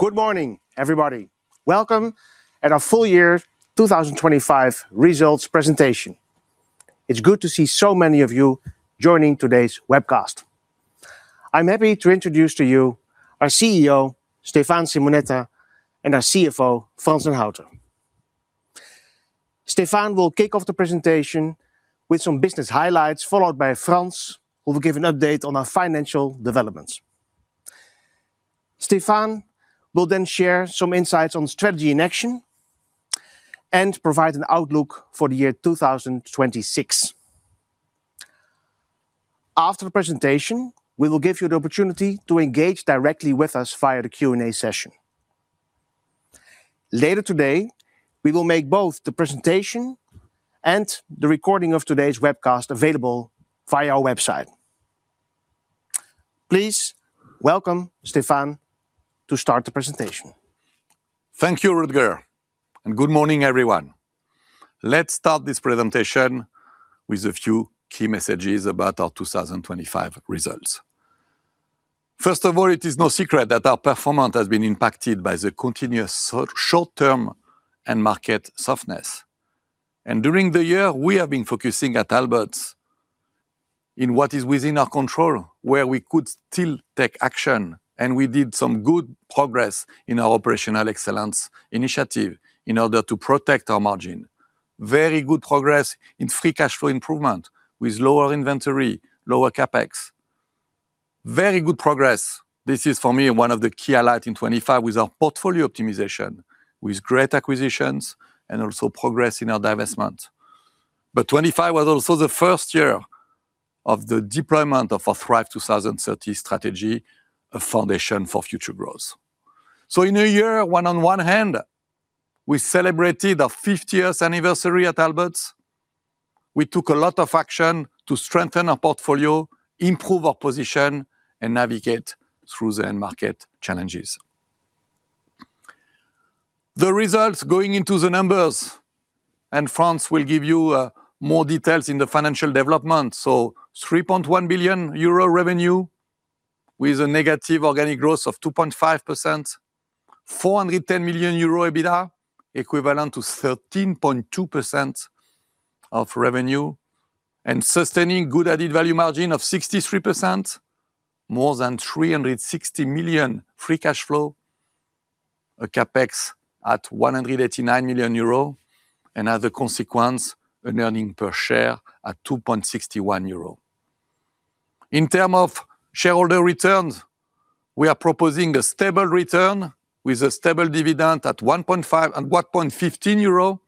Good morning, everybody. Welcome at our full year 2025 results presentation. It's good to see so many of you joining today's webcast. I'm happy to introduce to you our CEO, Stéphane Simonetta, and our CFO, Frans den Houter. Stéphane will kick off the presentation with some business highlights, followed by Frans, who will give an update on our financial developments. Stéphane will share some insights on strategy in action, and provide an outlook for the year 2026. After the presentation, we will give you the opportunity to engage directly with us via the Q&A session. Later today, we will make both the presentation and the recording of today's webcast available via our website. Please welcome Stéphane to start the presentation. Thank you, Rutger, and good morning, everyone. Let's start this presentation with a few key messages about our 2025 results. First of all, it is no secret that our performance has been impacted by the continuous short term and market softness. During the year, we have been focusing at Aalberts in what is within our control, where we could still take action, and we did some good progress in our operational excellence initiative in order to protect our margin. Very good progress in free cash flow improvement, with lower inventory, lower CapEx. Very good progress, this is, for me, one of the key highlights in 2025, with our portfolio optimization, with great acquisitions, and also progress in our divestment. 2025 was also the first year of the deployment of our thrive 2030 strategy, a foundation for future growth. In a year, when on one hand, we celebrated our fiftieth anniversary at Aalberts, we took a lot of action to strengthen our portfolio, improve our position, and navigate through the end market challenges. The results, going into the numbers, and Frans will give you more details in the financial development. 3.1 billion euro revenue, with a negative organic growth of 2.5%, 410 million euro EBITDA, equivalent to 13.2% of revenue, and sustaining good added value margin of 63%, more than 360 million free cash flow, a CapEx at 189 million euro, and as a consequence, an earning per share at 2.61 euro. In terms of shareholder returns, we are proposing a stable return with a stable dividend at 1.50 and 1.15 euro,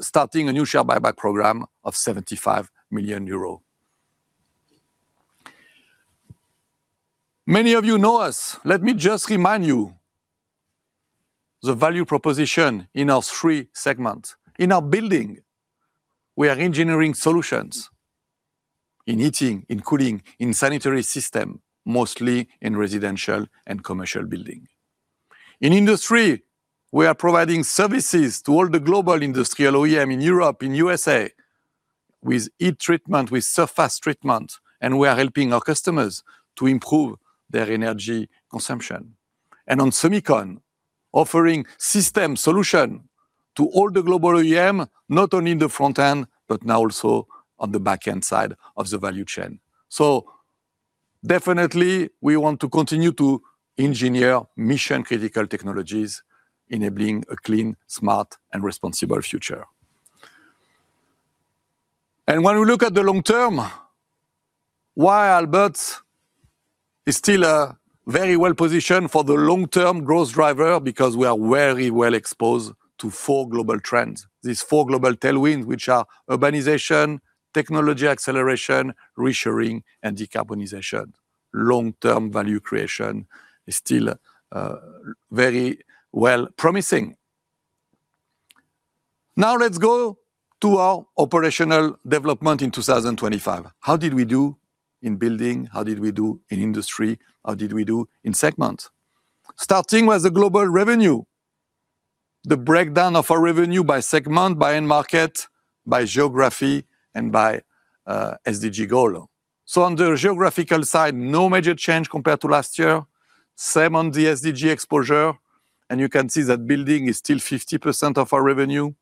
starting a new share buyback program of 75 million euro. Many of you know us. Let me just remind you, the value proposition in our three segments. In our Building, we are engineering solutions in heating, in cooling, in sanitary system, mostly in residential and commercial building. In Industry, we are providing services to all the global industry, OEM in Europe, in USA, with heat treatment, with surface treatment, and we are helping our customers to improve their energy consumption. On semicon, offering system solution to all the global OEM, not only in the front end, but now also on the back-end side of the value chain. Definitely, we want to continue to engineer mission-critical technologies, enabling a clean, smart, and responsible future. When we look at the long term, why Aalberts is still very well-positioned for the long-term growth driver because we are very well exposed to four global trends. These four global tailwinds, which are urbanization, technology acceleration, reshoring, and decarbonization. Long-term value creation is still very well promising. Now, let's go to our operational development in 2025. How did we do in Building? How did we do in Industry? How did we do in segments? Starting with the global revenue, the breakdown of our revenue by segment, by end market, by geography, and by SDG goal. On the geographical side, no major change compared to last year. Same on the SDG exposure. You can see that Building is still 50% of our revenue,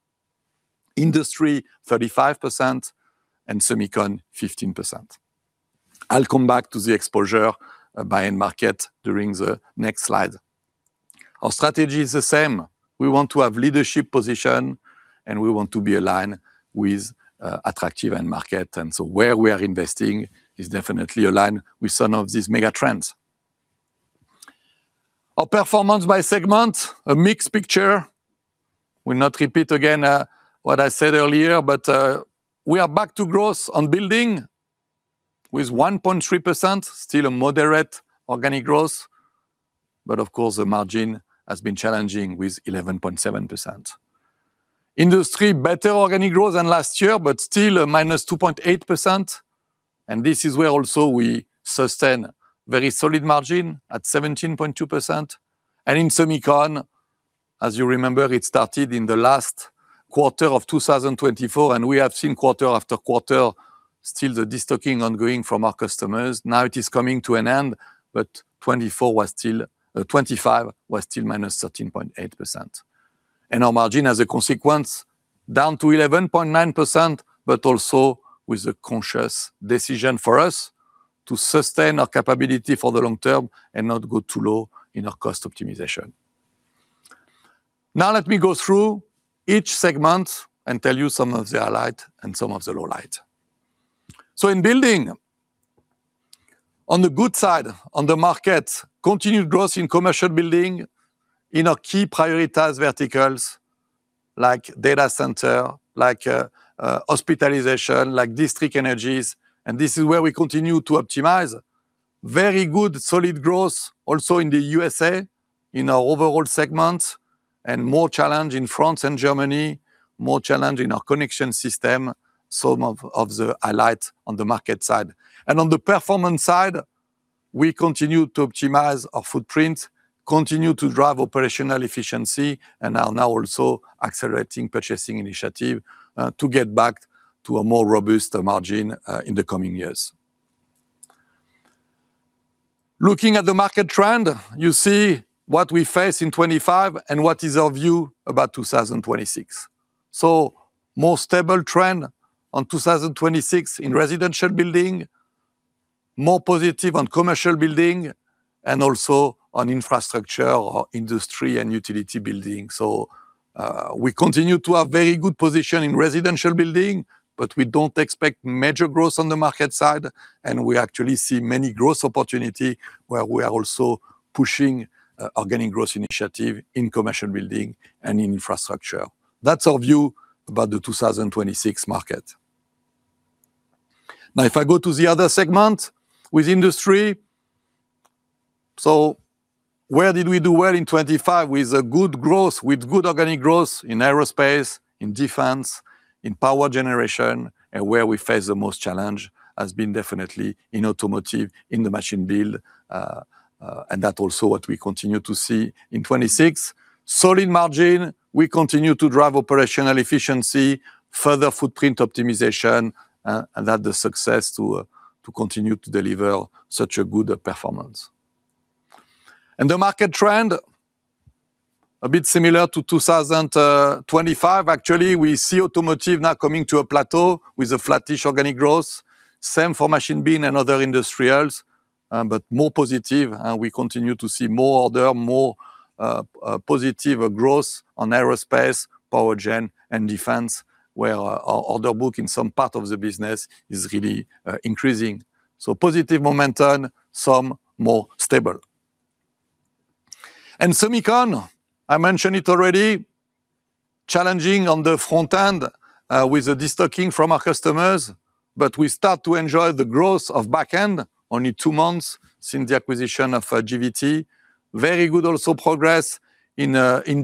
Industry, 35%, and semicon, 15%. I'll come back to the exposure by end market during the next slide. Our strategy is the same. We want to have leadership position, and we want to be aligned with attractive end market, and so where we are investing is definitely aligned with some of these mega trends. Our performance by segment, a mixed picture. Will not repeat again what I said earlier, but we are back to growth on Building with 1.3%, still a moderate organic growth, but of course, the margin has been challenging with 11.7%. Industry, better organic growth than last year, but still a -2.8%, and this is where also we sustain very solid margin at 17.2%. In semicon-... As you remember, it started in the last quarter of 2024, and we have seen quarter after quarter, still the de-stocking ongoing from our customers. Now it is coming to an end, but 2024 was still, 2025 was still -13.8%. Our margin, as a consequence, down to 11.9%, but also with a conscious decision for us to sustain our capability for the long term and not go too low in our cost optimization. Let me go through each segment and tell you some of the highlight and some of the lowlight. In building, on the good side, on the market, continued growth in commercial building, in our key prioritized verticals, like data center, like hospitalization, like district energies, and this is where we continue to optimize. Very good, solid growth also in the USA, in our overall segment, and more challenge in France and Germany, more challenge in our connection system, some of the highlight on the market side. On the performance side, we continue to optimize our footprint, continue to drive operational efficiency, and are now also accelerating purchasing initiative to get back to a more robust margin in the coming years. Looking at the market trend, you see what we face in 2025 and what is our view about 2026. More stable trend on 2026 in residential building, more positive on commercial building, and also on infrastructure or industry and utility building. We continue to have very good position in residential building, but we don't expect major growth on the market side, and we actually see many growth opportunity where we are also pushing organic growth initiative in commercial building and in infrastructure. That's our view about the 2026 market. If I go to the other segment with industry, so where did we do well in 2025. With a good growth, with good organic growth in aerospace, in defense, in power generation, and where we face the most challenge has been definitely in automotive, in the machine build, and that also what we continue to see in 2026. Solid margin, we continue to drive operational efficiency, further footprint optimization, and that the success to continue to deliver such a good performance. The market trend, a bit similar to 2025. Actually, we see automotive now coming to a plateau with a flattish organic growth. Same for machine build and other industrials, but more positive, and we continue to see more order, more positive growth on aerospace, power gen, and defense, where our order book in some part of the business is really increasing. Positive momentum, some more stable. Semicon, I mentioned it already, challenging on the front end, with the de-stocking from our customers, but we start to enjoy the growth of back end, only two months since the acquisition of GVT. Very good also progress in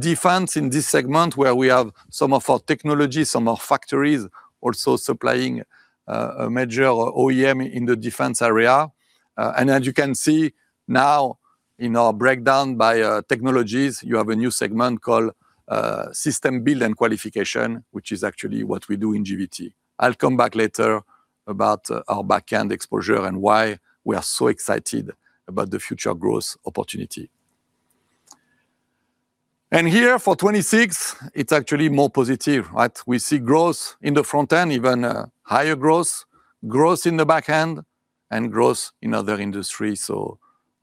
defense, in this segment, where we have some of our technology, some of our factories also supplying a major OEM in the defense area. As you can see now in our breakdown by technologies, you have a new segment called System Build and Qualification, which is actually what we do in GVT. I'll come back later about our backend exposure and why we are so excited about the future growth opportunity. Here, for 2026, it's actually more positive, right? We see growth in the front end, even a higher growth in the back end, and growth in other industries.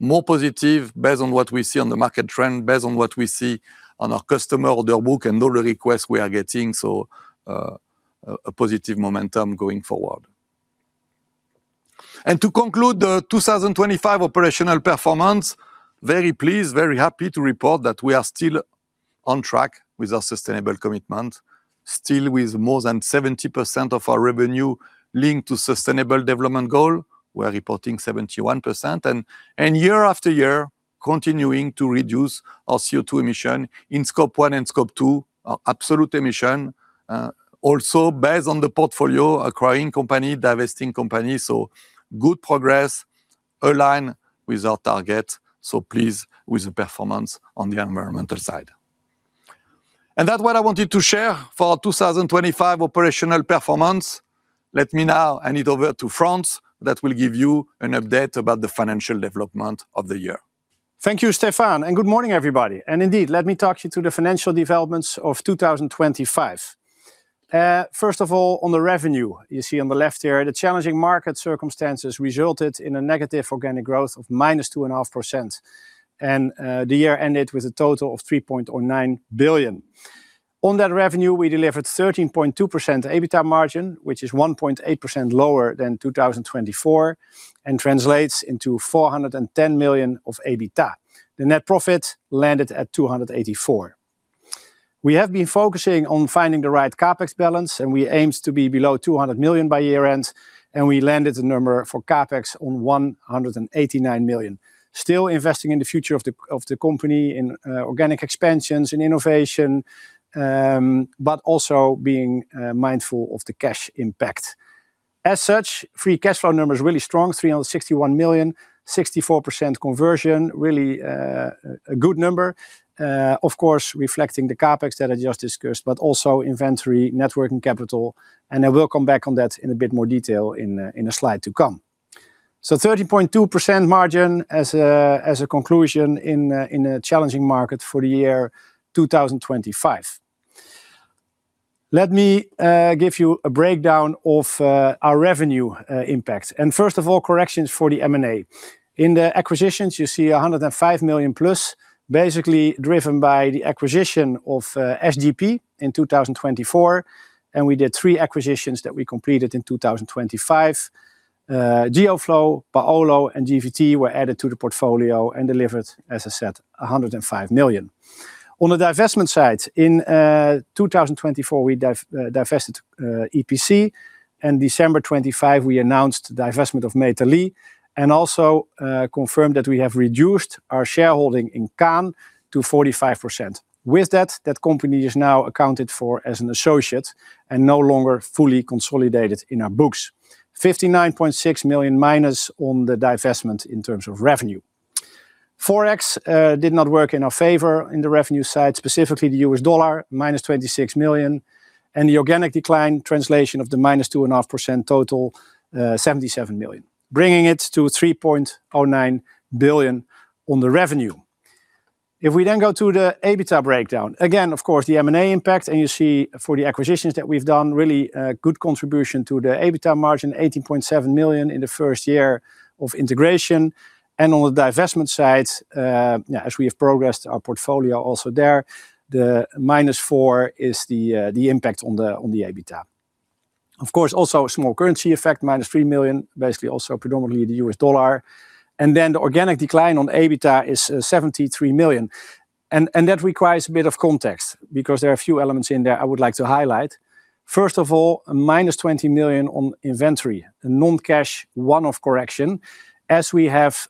More positive based on what we see on the market trend, based on what we see on our customer order book and all the requests we are getting, so a positive momentum going forward. To conclude the 2025 operational performance, very pleased, very happy to report that we are still on track with our sustainable commitment, still with more than 70% of our revenue linked to sustainable development goal. We are reporting 71%, and year after year, continuing to reduce our CO₂ emission in Scope 1 and Scope 2, our absolute emission, also based on the portfolio, acquiring company, divesting company. Good progress, align with our target, so pleased with the performance on the environmental side. That's what I wanted to share for our 2025 operational performance. Let me now hand it over to Frans, that will give you an update about the financial development of the year. Thank you, Stéphane, and good morning, everybody. Indeed, let me talk you through the financial developments of 2025. First of all, on the revenue, you see on the left here, the challenging market circumstances resulted in a negative organic growth of -2.5%, and the year ended with a total of 3.09 billion. On that revenue, we delivered 13.2% EBITDA margin, which is 1.8% lower than 2024 and translates into 410 million of EBITDA. The net profit landed at 284 million. We have been focusing on finding the right CapEx balance, and we aimed to be below 200 million by year-end, and we landed the number for CapEx on 189 million. Still investing in the future of the company, in organic expansions, in innovation, but also being mindful of the cash impact. As such, free cash flow number is really strong, 361 million, 64% conversion, really a good number. Of course, reflecting the CapEx that I just discussed, but also inventory, net working capital, and I will come back on that in a bit more detail in a slide to come. 13.2% margin as a conclusion in a challenging market for the year 2025. Let me give you a breakdown of our revenue impact. First of all, corrections for the M&A. In the acquisitions, you see 105 million+, basically driven by the acquisition of SGP in 2024, and we did three acquisitions that we completed in 2025. Geo-Flo, Paulo, and GVT were added to the portfolio and delivered, as I said, 105 million. On the divestment side, in 2024, we divested EPC, and December 25, we announced divestment of Metalis and also confirmed that we have reduced our shareholding in Kan to 45%. With that company is now accounted for as an associate and no longer fully consolidated in our books. -59.6 million on the divestment in terms of revenue. Forex did not work in our favor in the revenue side, specifically the US dollar, -$26 million, and the organic decline translation of the -2.5% total 77 million, bringing it to 3.09 billion on the revenue. We go to the EBITDA breakdown, again, of course, the M&A impact for the acquisitions that we've done, really good contribution to the EBITDA margin, 18.7 million in the first year of integration. On the divestment side, as we have progressed our portfolio also there, the -4 million is the impact on the EBITDA. Of course, also a small currency effect, -3 million, basically also predominantly the US dollar. The organic decline on EBITDA is 73 million. That requires a bit of context because there are a few elements in there I would like to highlight. First of all, a -20 million on inventory, a non-cash one-off correction, as we have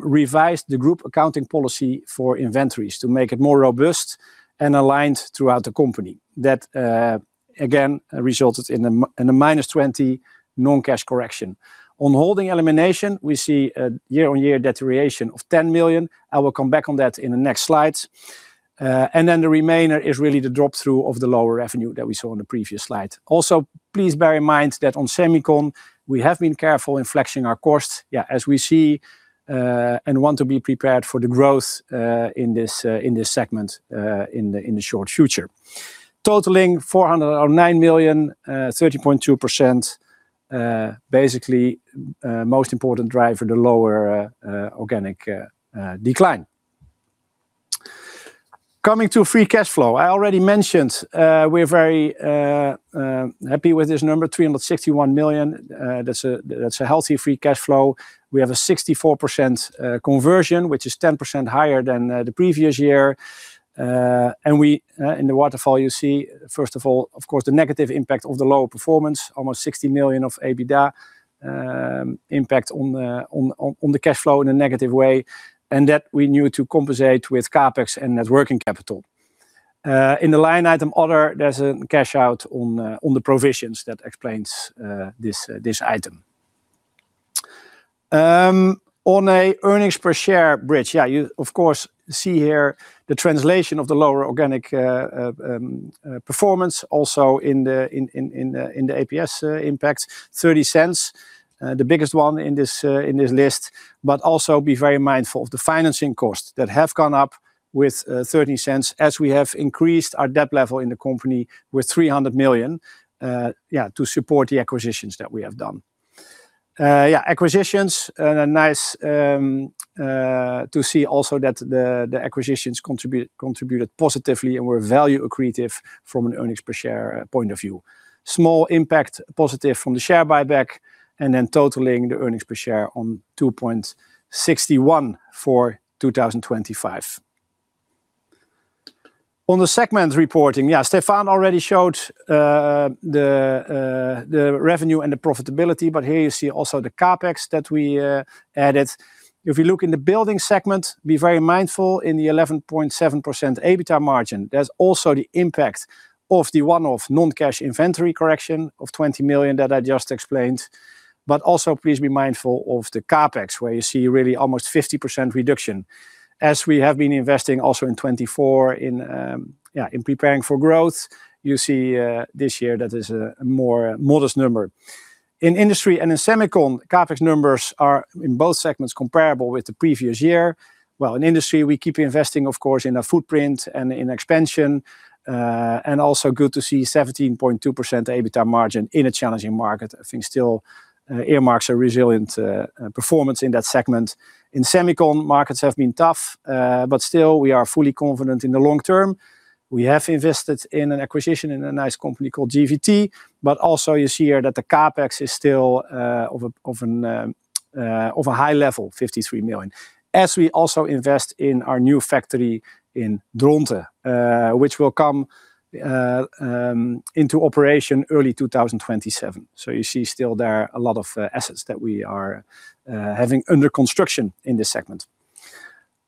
revised the group accounting policy for inventories to make it more robust and aligned throughout the company. That again resulted in a -20 non-cash correction. On holding elimination, we see a year-on-year deterioration of 10 million. I will come back on that in the next slides. The remainder is really the drop-through of the lower revenue that we saw on the previous slide. Please bear in mind that on semicon, we have been careful in flexing our costs, yeah, as we see and want to be prepared for the growth in this segment in the short future. Totaling 400 or 9 million, 30.2%, basically, most important driver, the lower organic decline. Coming to free cash flow, I already mentioned, we're very happy with this number, 361 million. That's a healthy free cash flow. We have a 64% conversion, which is 10% higher than the previous year. We, in the waterfall, you see, first of all, of course, the negative impact of the lower performance, almost 60 million EBITDA, impact on the cash flow in a negative way, and that we knew to compensate with CapEx and net working capital. In the line item other, there's a cash out on the provisions that explains this item. On a earnings per share bridge, yeah, you, of course, see here the translation of the lower organic performance also in the APS impact, 0.30, the biggest one in this list. Also be very mindful of the financing costs that have gone up with 0.30 as we have increased our debt level in the company with 300 million, yeah, to support the acquisitions that we have done. Yeah, acquisitions, and nice to see also that the acquisitions contributed positively and were value accretive from an earnings per share point of view. Small impact, positive from the share buyback, and then totaling the earnings per share on 2.61 for 2025. On the segment reporting, yeah, Stéphane already showed the revenue and the profitability, but here you see also the CapEx that we added. If you look in the building segment, be very mindful in the 11.7% EBITDA margin. There's also the impact of the one-off non-cash inventory correction of 20 million that I just explained. Also, please be mindful of the CapEx, where you see really almost 50% reduction. As we have been investing also in 2024 in, yeah, in preparing for growth, you see this year that is a more modest number. In industry and in semicon, CapEx numbers are, in both segments, comparable with the previous year. In industry, we keep investing, of course, in our footprint and in expansion, and also good to see 17.2% EBITDA margin in a challenging market. I think still earmarks a resilient performance in that segment. In semicon, markets have been tough, but still we are fully confident in the long term. We have invested in an acquisition in a nice company called GVT. Also you see here that the CapEx is still of a high level, 53 million. As we also invest in our new factory in Dronten, which will come into operation early 2027. You see still there a lot of assets that we are having under construction in this segment.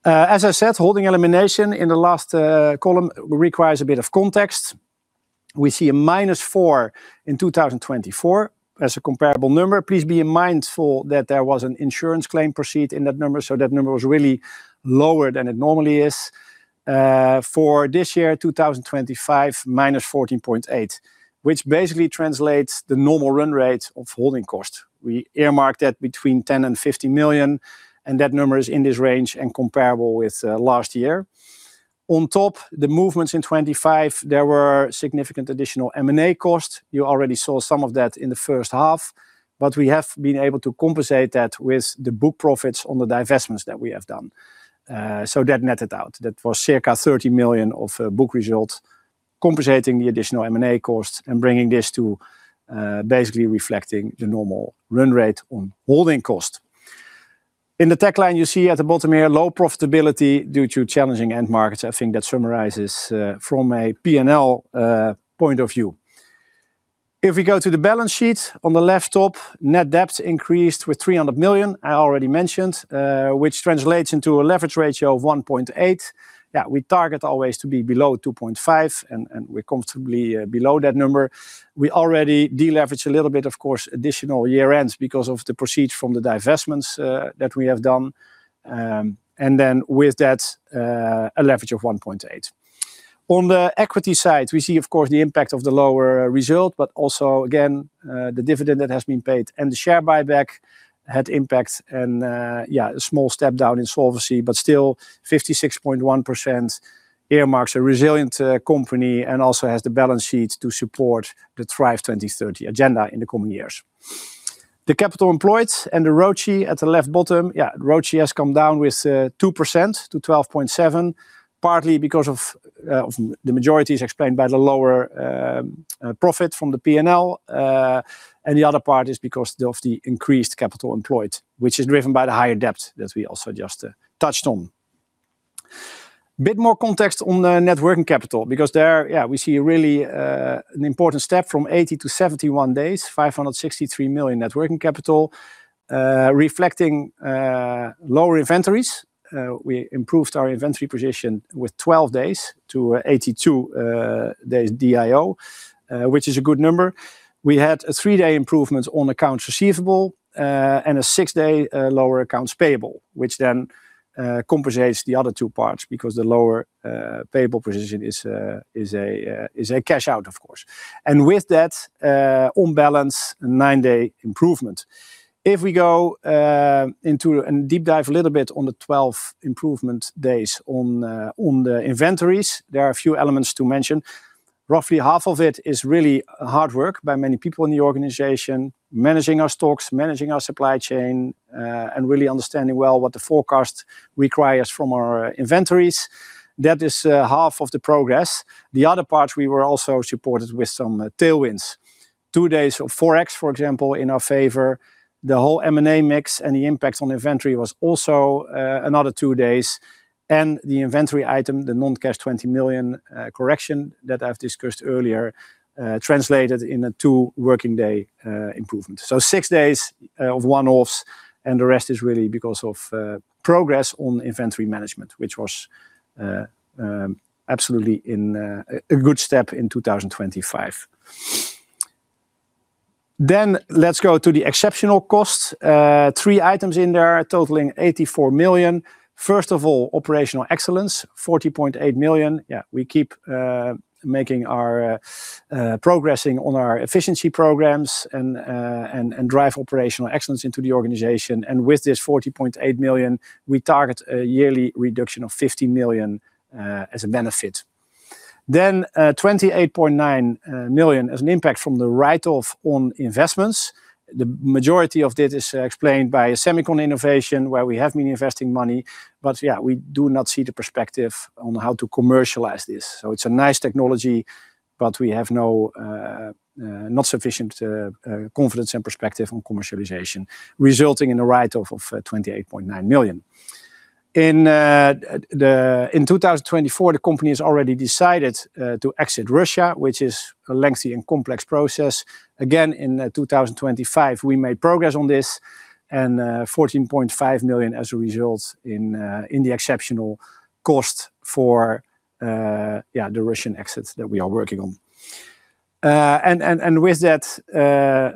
As I said, holding elimination in the last column requires a bit of context. We see a -4 in 2024 as a comparable number. Please be mindful that there was an insurance claim proceed in that number, so that number was really lower than it normally is. For this year, 2025, -14.8 million, which basically translates the normal run rate of holding cost. We earmarked that between 10 million and 50 million, and that number is in this range and comparable with last year. On top, the movements in 2025, there were significant additional M&A costs. You already saw some of that in the first half, but we have been able to compensate that with the book profits on the divestments that we have done. That netted out. That was circa 30 million of book results, compensating the additional M&A costs and bringing this to basically reflecting the normal run rate on holding cost. In the tech line, you see at the bottom here, low profitability due to challenging end markets. I think that summarizes from a P&L point of view. If we go to the balance sheet, on the left top, net debt increased with 300 million, I already mentioned, which translates into a leverage ratio of 1.8. Yeah, we target always to be below 2.5, and we're comfortably below that number. We already deleveraged a little bit, of course, additional year ends because of the proceeds from the divestments that we have done. With that, a leverage of 1.8. On the equity side, we see, of course, the impact of the lower result, but also again, the dividend that has been paid and the share buyback had impact and, yeah, a small step down in solvency, but still 56.1% earmarks a resilient company and also has the balance sheet to support the thrive 2030 agenda in the coming years. The capital employed and the ROCE at the left bottom, yeah, ROCE has come down with 2%-12.7%, partly because the majority is explained by the lower profit from the PNL. The other part is because of the increased capital employed, which is driven by the higher debt that we also just touched on. Bit more context on the net working capital, because there, we see a really important step from 80 to 71 days, 563 million net working capital, reflecting lower inventories. We improved our inventory position with 12 days to 82 days DIO, which is a good number. We had a three-day improvement on accounts receivable, and a six-day lower accounts payable, which then compensates the other two parts, because the lower payable position is a cash out, of course. With that, on balance, a nine-day improvement. If we go into and deep dive a little bit on the 12 improvement days on the inventories, there are a few elements to mention. Roughly half of it is really hard work by many people in the organization, managing our stocks, managing our supply chain, and really understanding well what the forecast requires from our inventories. That is, half of the progress. The other part, we were also supported with some tailwinds. Two days of Forex, for example, in our favor, the whole M&A mix and the impact on inventory was also, another two days. The inventory item, the non-cash 20 million correction that I've discussed earlier, translated in a two working day improvement. Six days of one-offs, and the rest is really because of progress on inventory management, which was absolutely in, a good step in 2025. Let's go to the exceptional costs. Three items in there, totaling 84 million. First of all, operational excellence, 40.8 million. Yeah, we keep making our progressing on our efficiency programs and drive operational excellence into the organization. With this 40.8 million, we target a yearly reduction of 50 million as a benefit. 28.9 million as an impact from the write-off on investments. The majority of this is explained by a semicon innovation, where we have been investing money, but yeah, we do not see the perspective on how to commercialize this. It's a nice technology, but we have no not sufficient confidence and perspective on commercialization, resulting in a write-off of 28.9 million. In 2024, the company has already decided to exit Russia, which is a lengthy and complex process. Again, in 2025, we made progress on this and 14.5 million as a result in the exceptional cost for, yeah, the Russian exits that we are working on. With that,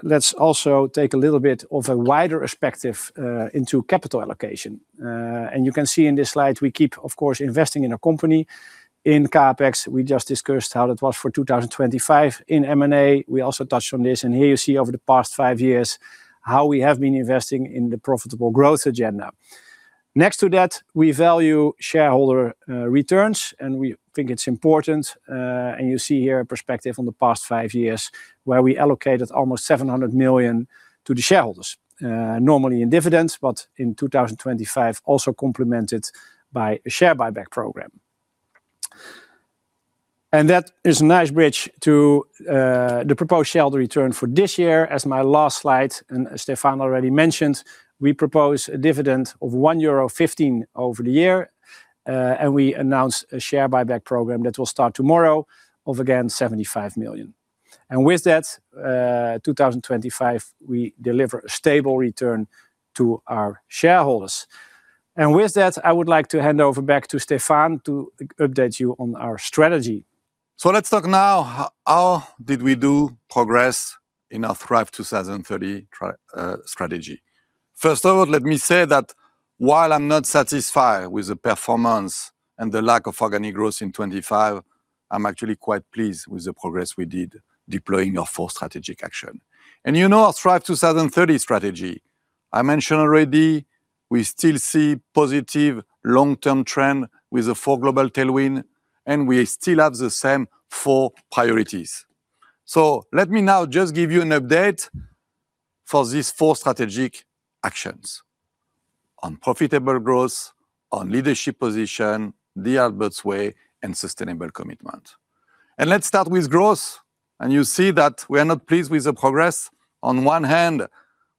let's also take a little bit of a wider perspective into capital allocation. You can see in this slide, we keep, of course, investing in a company. In CapEx, we just discussed how that was for 2025. In M&A, we also touched on this, and here you see over the past five years, how we have been investing in the profitable growth agenda. Next to that, we value shareholder returns, and we think it's important. You see here a perspective on the past five years, where we allocated almost 700 million to the shareholders. Normally in dividends, in 2025, also complemented by a share buyback program. That is a nice bridge to the proposed shareholder return for this year. As my last slide, Stefan already mentioned, we propose a dividend of 1.15 euro over the year, we announce a share buyback program that will start tomorrow of, again, 75 million.... With that, 2025, we deliver a stable return to our shareholders. With that, I would like to hand over back to Stéphane to update you on our strategy. Let's talk now, how did we do progress in our thrive 2030 strategy? First of all, let me say that while I'm not satisfied with the performance and the lack of organic growth in 2025, I'm actually quite pleased with the progress we did deploying our four strategic action. You know, our thrive 2030 strategy, I mentioned already, we still see positive long-term trend with the four global tailwind, and we still have the same four priorities. Let me now just give you an update for these four strategic actions: on profitable growth, on leadership position, the Aalberts way, and sustainable commitment. Let's start with growth, and you see that we are not pleased with the progress. On one hand,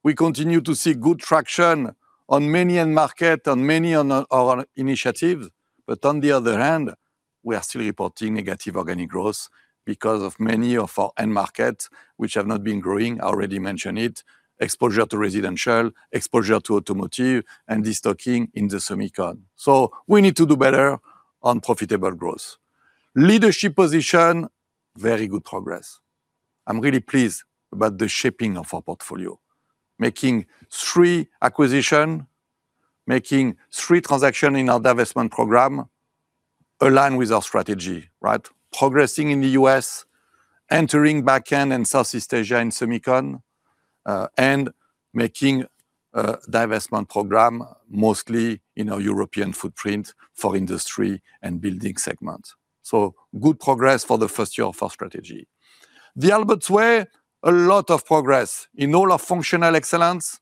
we continue to see good traction on many end market, on many of our initiatives, but on the other hand, we are still reporting negative organic growth because of many of our end market, which have not been growing. I already mentioned it. Exposure to residential, exposure to automotive, and destocking in the semicon. We need to do better on profitable growth. Leadership position. Very good progress. I'm really pleased about the shaping of our portfolio, making three acquisition, making three transaction in our divestment program align with our strategy, right. Progressing in the U.S., entering backend and Southeast Asia in semicon, and making divestment program mostly in our European footprint for industry and building segment. Good progress for the first year of our strategy. The Aalberts way, a lot of progress in all our functional excellence,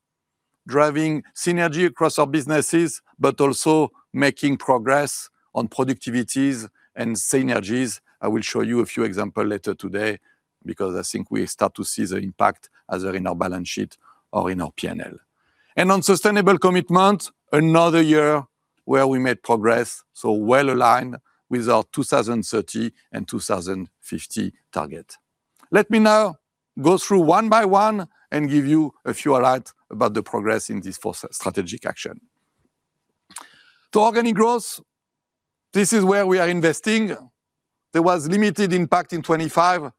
driving synergy across our businesses, but also making progress on productivities and synergies. I will show you a few example later today, because I think we start to see the impact either in our balance sheet or in our P&L. On sustainable commitment, another year where we made progress, so well-aligned with our 2030 and 2050 target. Let me now go through one by one and give you a few highlight about the progress in these four strategic action. Organic growth, this is where we are investing. There was limited impact in 2025,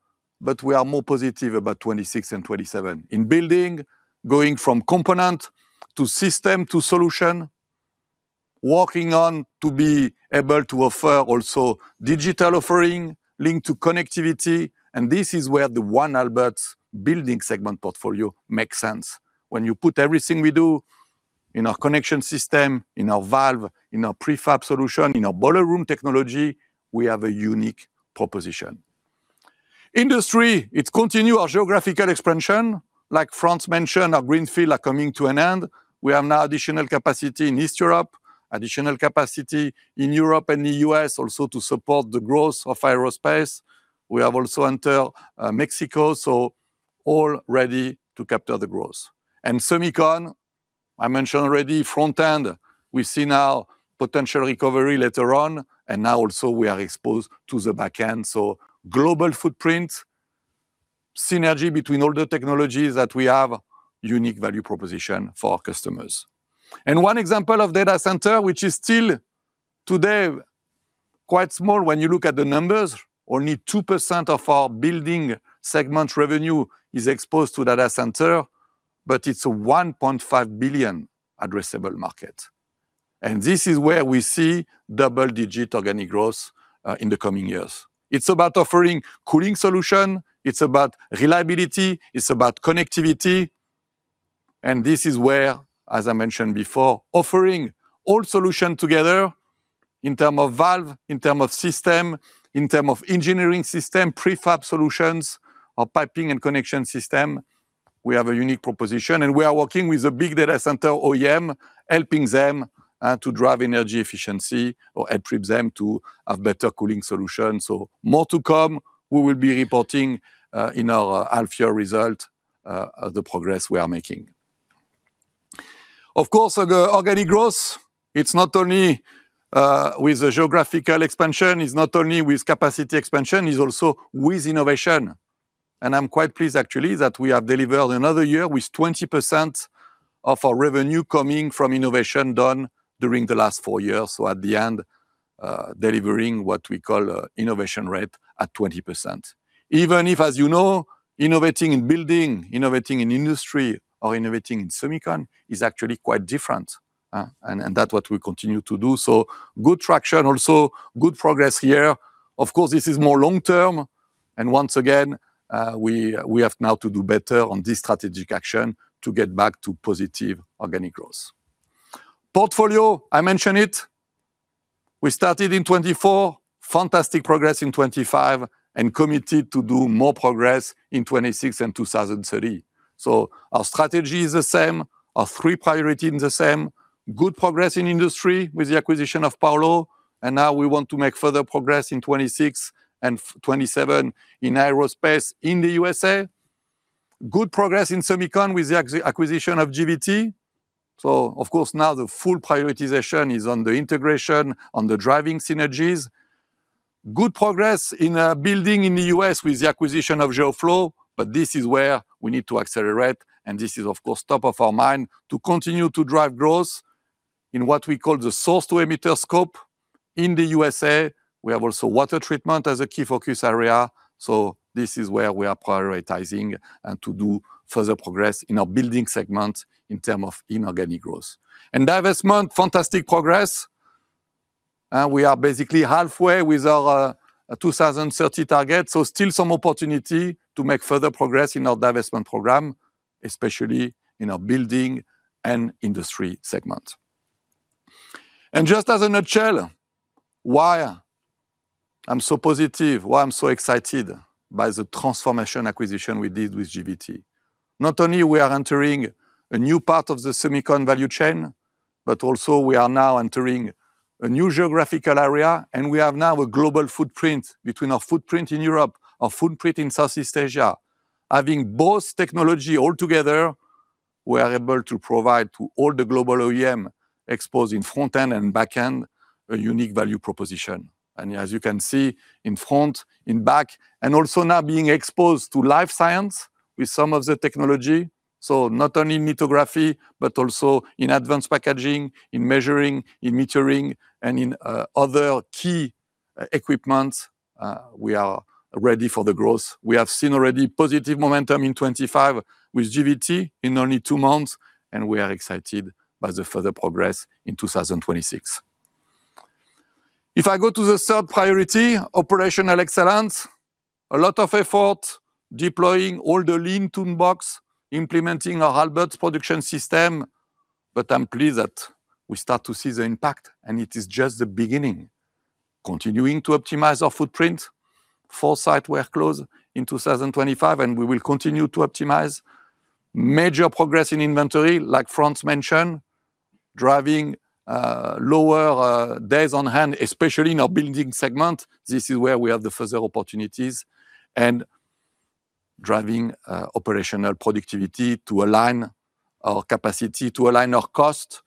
but we are more positive about 2026 and 2027. In building, going from component, to system, to solution, working on to be able to offer also digital offering linked to connectivity, this is where the One Aalberts building segment portfolio makes sense. When you put everything we do in our connection system, in our valve, in our prefab solution, in our boiler room technology, we have a unique proposition. Industry, it continue our geographical expansion. Like Frans mentioned, our greenfield are coming to an end. We have now additional capacity in East Europe, additional capacity in Europe and the U.S. also to support the growth of aerospace. We have also entered Mexico, all ready to capture the growth. Semicon, I mentioned already, front-end, we see now potential recovery later on, now also we are exposed to the backend. Global footprint, synergy between all the technologies that we have, unique value proposition for our customers. One example of data center, which is still today quite small when you look at the numbers, only 2% of our building segment revenue is exposed to data center, but it's a 1.5 billion addressable market. This is where we see double-digit organic growth in the coming years. It's about offering cooling solution, it's about reliability, it's about connectivity, this is where, as I mentioned before, offering all solution together in term of valve, in term of system, in term of engineering system, prefab solutions, our piping and connection system, we have a unique proposition, and we are working with the big data center OEM, helping them to drive energy efficiency or helping them to have better cooling solution. More to come. We will be reporting in our half-year result, the progress we are making. Of course, organic growth, it's not only with the geographical expansion, it's not only with capacity expansion, it's also with innovation. I'm quite pleased, actually, that we have delivered another year with 20% of our revenue coming from innovation done during the last four years, so at the end, delivering what we call innovation rate at 20%. Even if, as you know, innovating in building, innovating in industry, or innovating in semicon is actually quite different, and that's what we continue to do. Good traction, also good progress here. Of course, this is more long-term, and once again, we have now to do better on this strategic action to get back to positive organic growth. Portfolio, I mentioned it. We started in 2024, fantastic progress in 2025, committed to do more progress in 2026 and 2030. Our strategy is the same. Our three priority is the same. Good progress in industry with the acquisition of Paulo, now we want to make further progress in 2026 and 2027 in aerospace in the U.S. Good progress in semicon with the acquisition of GVT. Of course, now the full prioritization is on the integration, on the driving synergies. Good progress in building in the U.S. with the acquisition of Geo-Flo, this is where we need to accelerate, this is, of course, top of our mind, to continue to drive growth in what we call the source-to-emitter scope. In the USA, we have also water treatment as a key focus area, so this is where we are prioritizing and to do further progress in our building segment in term of inorganic growth. In divestment, fantastic progress, and we are basically halfway with our 2030 target, so still some opportunity to make further progress in our divestment program, especially in our building and industry segment. Just as a nutshell, why I'm so positive, why I'm so excited by the transformation acquisition we did with GVT? Not only we are entering a new part of the semicon value chain, but also we are now entering a new geographical area, and we have now a global footprint. Between our footprint in Europe, our footprint in Southeast Asia, having both technology all together, we are able to provide to all the global OEM exposed in front-end and back-end, a unique value proposition. As you can see, in front, in back, and also now being exposed to life science with some of the technology, so not only metrology, but also in advanced packaging, in measuring, in metering, and in other key equipments, we are ready for the growth. We have seen already positive momentum in 2025 with GVT in only two months. We are excited by the further progress in 2026. If I go to the third priority, operational excellence, a lot of effort deploying all the lean toolbox, implementing our Aalberts production system. I'm pleased that we start to see the impact. It is just the beginning. Continuing to optimize our footprint, four site were closed in 2025, and we will continue to optimize. Major progress in inventory, like Frans mentioned, driving lower days on hand, especially in our building segment. This is where we have the further opportunities. Driving operational productivity to align our capacity, to align our cost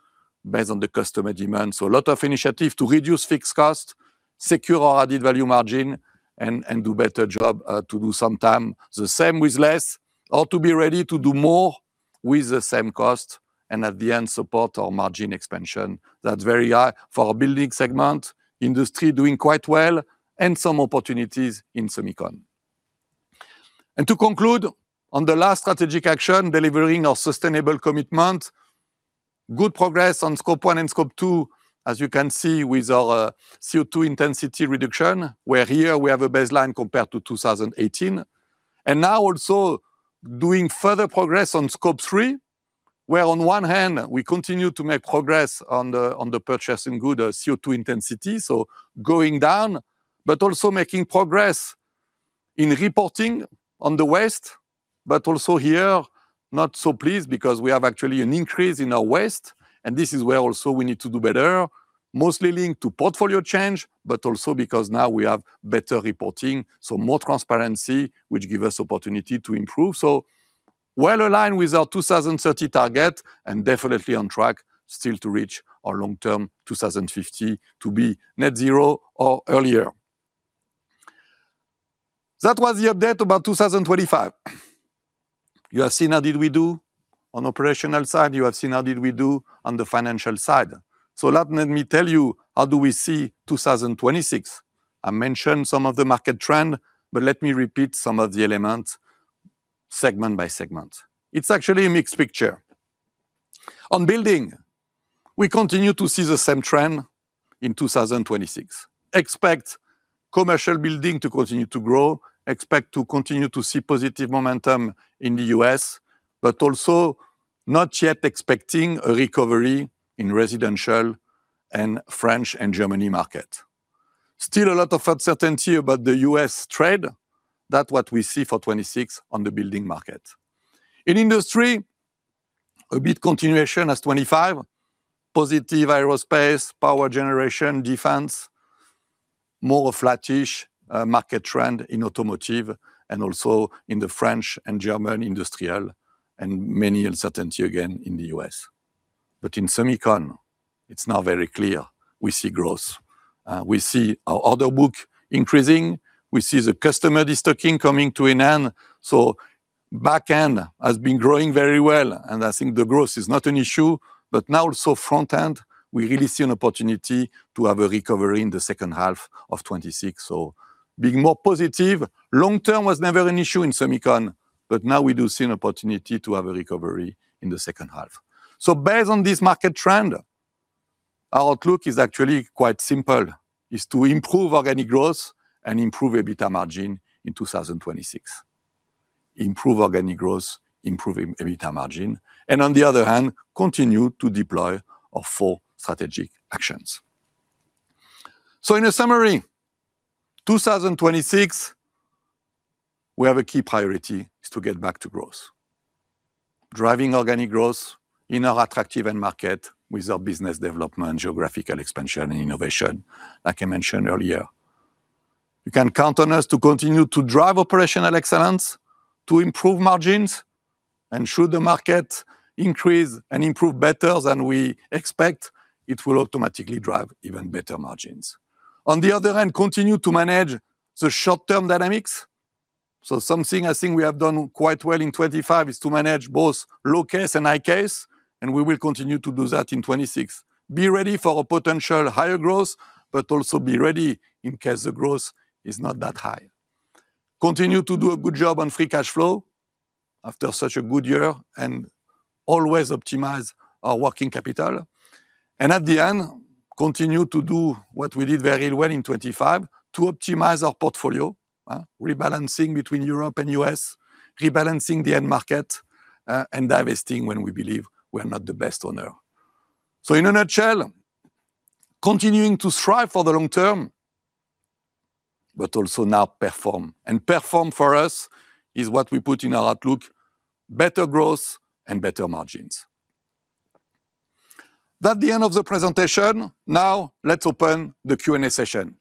based on the customer demand. A lot of initiative to reduce fixed cost, secure our added value margin, and do better job to do sometime the same with less, or to be ready to do more with the same cost, and at the end, support our margin expansion. That's very high for our building segment, industry doing quite well, and some opportunities in semicon. To conclude, on the last strategic action, delivering our sustainable commitment, good progress on Scope 1 and Scope 2, as you can see with our CO2 intensity reduction, where here we have a baseline compared to 2018. Now also doing further progress on Scope 3, where on one hand we continue to make progress on the, on the purchasing good CO2 intensity, so going down, but also making progress in reporting on the waste, but also here, not so pleased because we have actually an increase in our waste. This is where also we need to do better, mostly linked to portfolio change, but also because now we have better reporting, so more transparency, which give us opportunity to improve. Well aligned with our 2030 target, definitely on track still to reach our long-term, 2050, to be net zero or earlier. That was the update about 2025. You have seen how did we do on operational side, you have seen how did we do on the financial side. Let me tell you, how do we see 2026? I mentioned some of the market trend, let me repeat some of the elements segment by segment. It's actually a mixed picture. On building, we continue to see the same trend in 2026. Expect commercial building to continue to grow, expect to continue to see positive momentum in the U.S., also not yet expecting a recovery in residential and French and Germany market. Still a lot of uncertainty about the U.S. trade. That's what we see for 2026 on the building market. In industry, a bit continuation as 2025. Positive aerospace, power generation, defense, more flattish market trend in automotive and also in the French and German industrial, and many uncertainty again in the U.S. In semicon, it's now very clear we see growth. We see our order book increasing, we see the customer de-stocking coming to an end, so back-end has been growing very well, and I think the growth is not an issue, but now also front-end, we really see an opportunity to have a recovery in the second half of 2026. Being more positive, long term was never an issue in semicon, but now we do see an opportunity to have a recovery in the second half. Based on this market trend, our outlook is actually quite simple, is to improve organic growth and improve EBITDA margin in 2026. Improve organic growth, improve EBITDA margin, and on the other hand, continue to deploy our four strategic actions. In a summary, 2026, we have a key priority, is to get back to growth, driving organic growth in our attractive end market with our business development, geographical expansion, and innovation, like I mentioned earlier. You can count on us to continue to drive operational excellence, to improve margins, and should the market increase and improve better than we expect, it will automatically drive even better margins. On the other hand, continue to manage the short-term dynamics. Something I think we have done quite well in 2025 is to manage both low case and high case, and we will continue to do that in 2026. Be ready for a potential higher growth, but also be ready in case the growth is not that high. Continue to do a good job on free cash flow after such a good year, and always optimize our working capital. At the end, continue to do what we did very well in 2025, to optimize our portfolio, rebalancing between Europe and US, rebalancing the end market, and divesting when we believe we are not the best owner. In a nutshell, continuing to strive for the long term, but also now perform. Perform for us is what we put in our outlook, better growth and better margins. That's the end of the presentation. Let's open the Q&A session.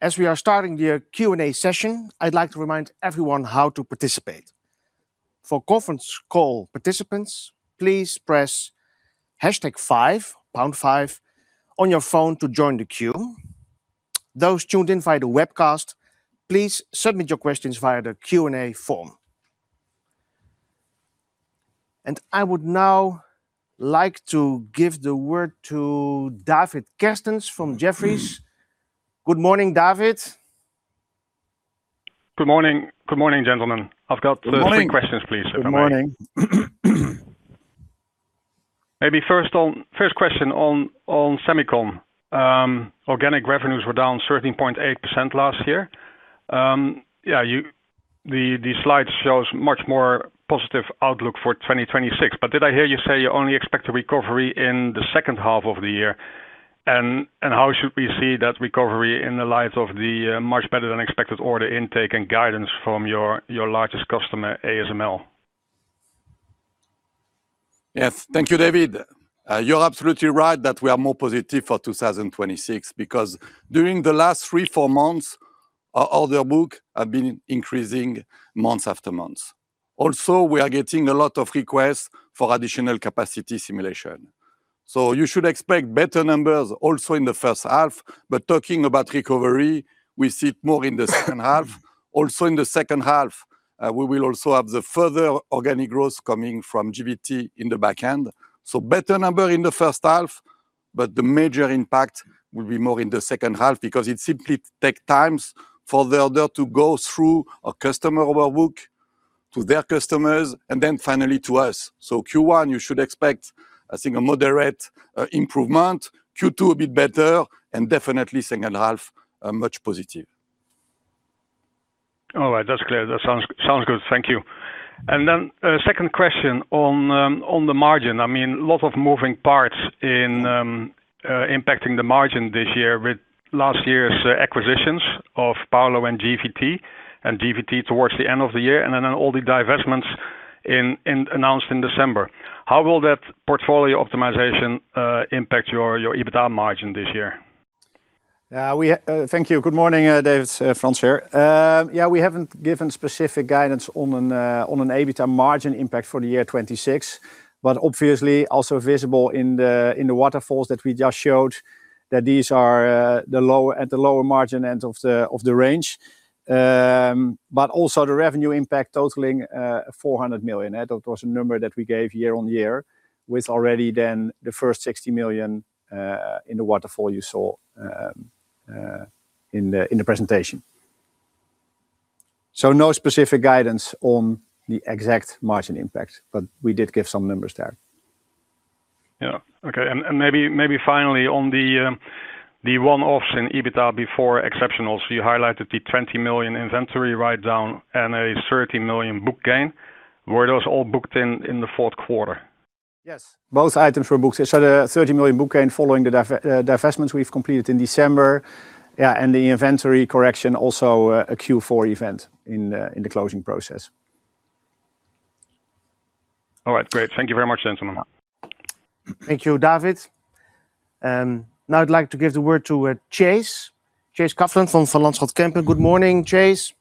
As we are starting the Q&A session, I'd like to remind everyone how to participate. For conference call participants, please press hashtag five, pound five, on your phone to join the queue. Those tuned in via the webcast, please submit your questions via the Q&A form. I would now like to give the word to David Kerstens from Jefferies. Good morning, David. Good morning. Good morning, gentlemen. Good morning. - three questions, please, if I may. Good morning. Maybe first on, first question on semicon. Organic revenues were down 13.8% last year. The slide shows much more positive outlook for 2026. Did I hear you say you only expect a recovery in the second half of the year? How should we see that recovery in the light of the much better-than-expected order intake and guidance from your largest customer, ASML? Yes. Thank you, David. You're absolutely right that we are more positive for 2026, because during the last three, four months, our order book have been increasing month after month. Also, we are getting a lot of requests for additional capacity simulation. You should expect better numbers also in the first half, but talking about recovery, we see it more in the second half. Also, in the second half, we will also have the further organic growth coming from GVT in the back end. Better number in the first half, but the major impact will be more in the second half because it simply take times for the order to go through a customer order book to their customers, and then finally to us. Q1, you should expect, I think, a moderate improvement. Q2, a bit better, and definitely second half, much positive. All right. That's clear. That sounds good. Thank you. Second question on the margin. I mean, a lot of moving parts in, impacting the margin this year with last year's acquisitions of Paulo and GVT, and GVT towards the end of the year, and then all the divestments in announced in December. How will that portfolio optimization, impact your EBITDA margin this year? Thank you. Good morning, David. It's Frans here. We haven't given specific guidance on an EBITDA margin impact for the year 2026. Obviously, also visible in the waterfalls that we just showed, that these are at the lower margin end of the range. Also the revenue impact totaling 400 million. That was a number that we gave year-on-year, with already then the first 60 million in the waterfall you saw in the presentation. No specific guidance on the exact margin impact. We did give some numbers there. Yeah. Okay. Finally, on the one-offs in EBITDA before exceptionals, you highlighted the 20 million inventory write down and a 13 million book gain. Were those all booked in the fourth quarter? Yes. Both items were booked. The 13 million book gain following the divestments we've completed in December. The inventory correction, also, a Q4 event in the closing process. All right, great. Thank you very much, gentlemen. Thank you, David. I'd like to give the word to Chase Coughlan from Van Lanschot Kempen. Good morning, Chase.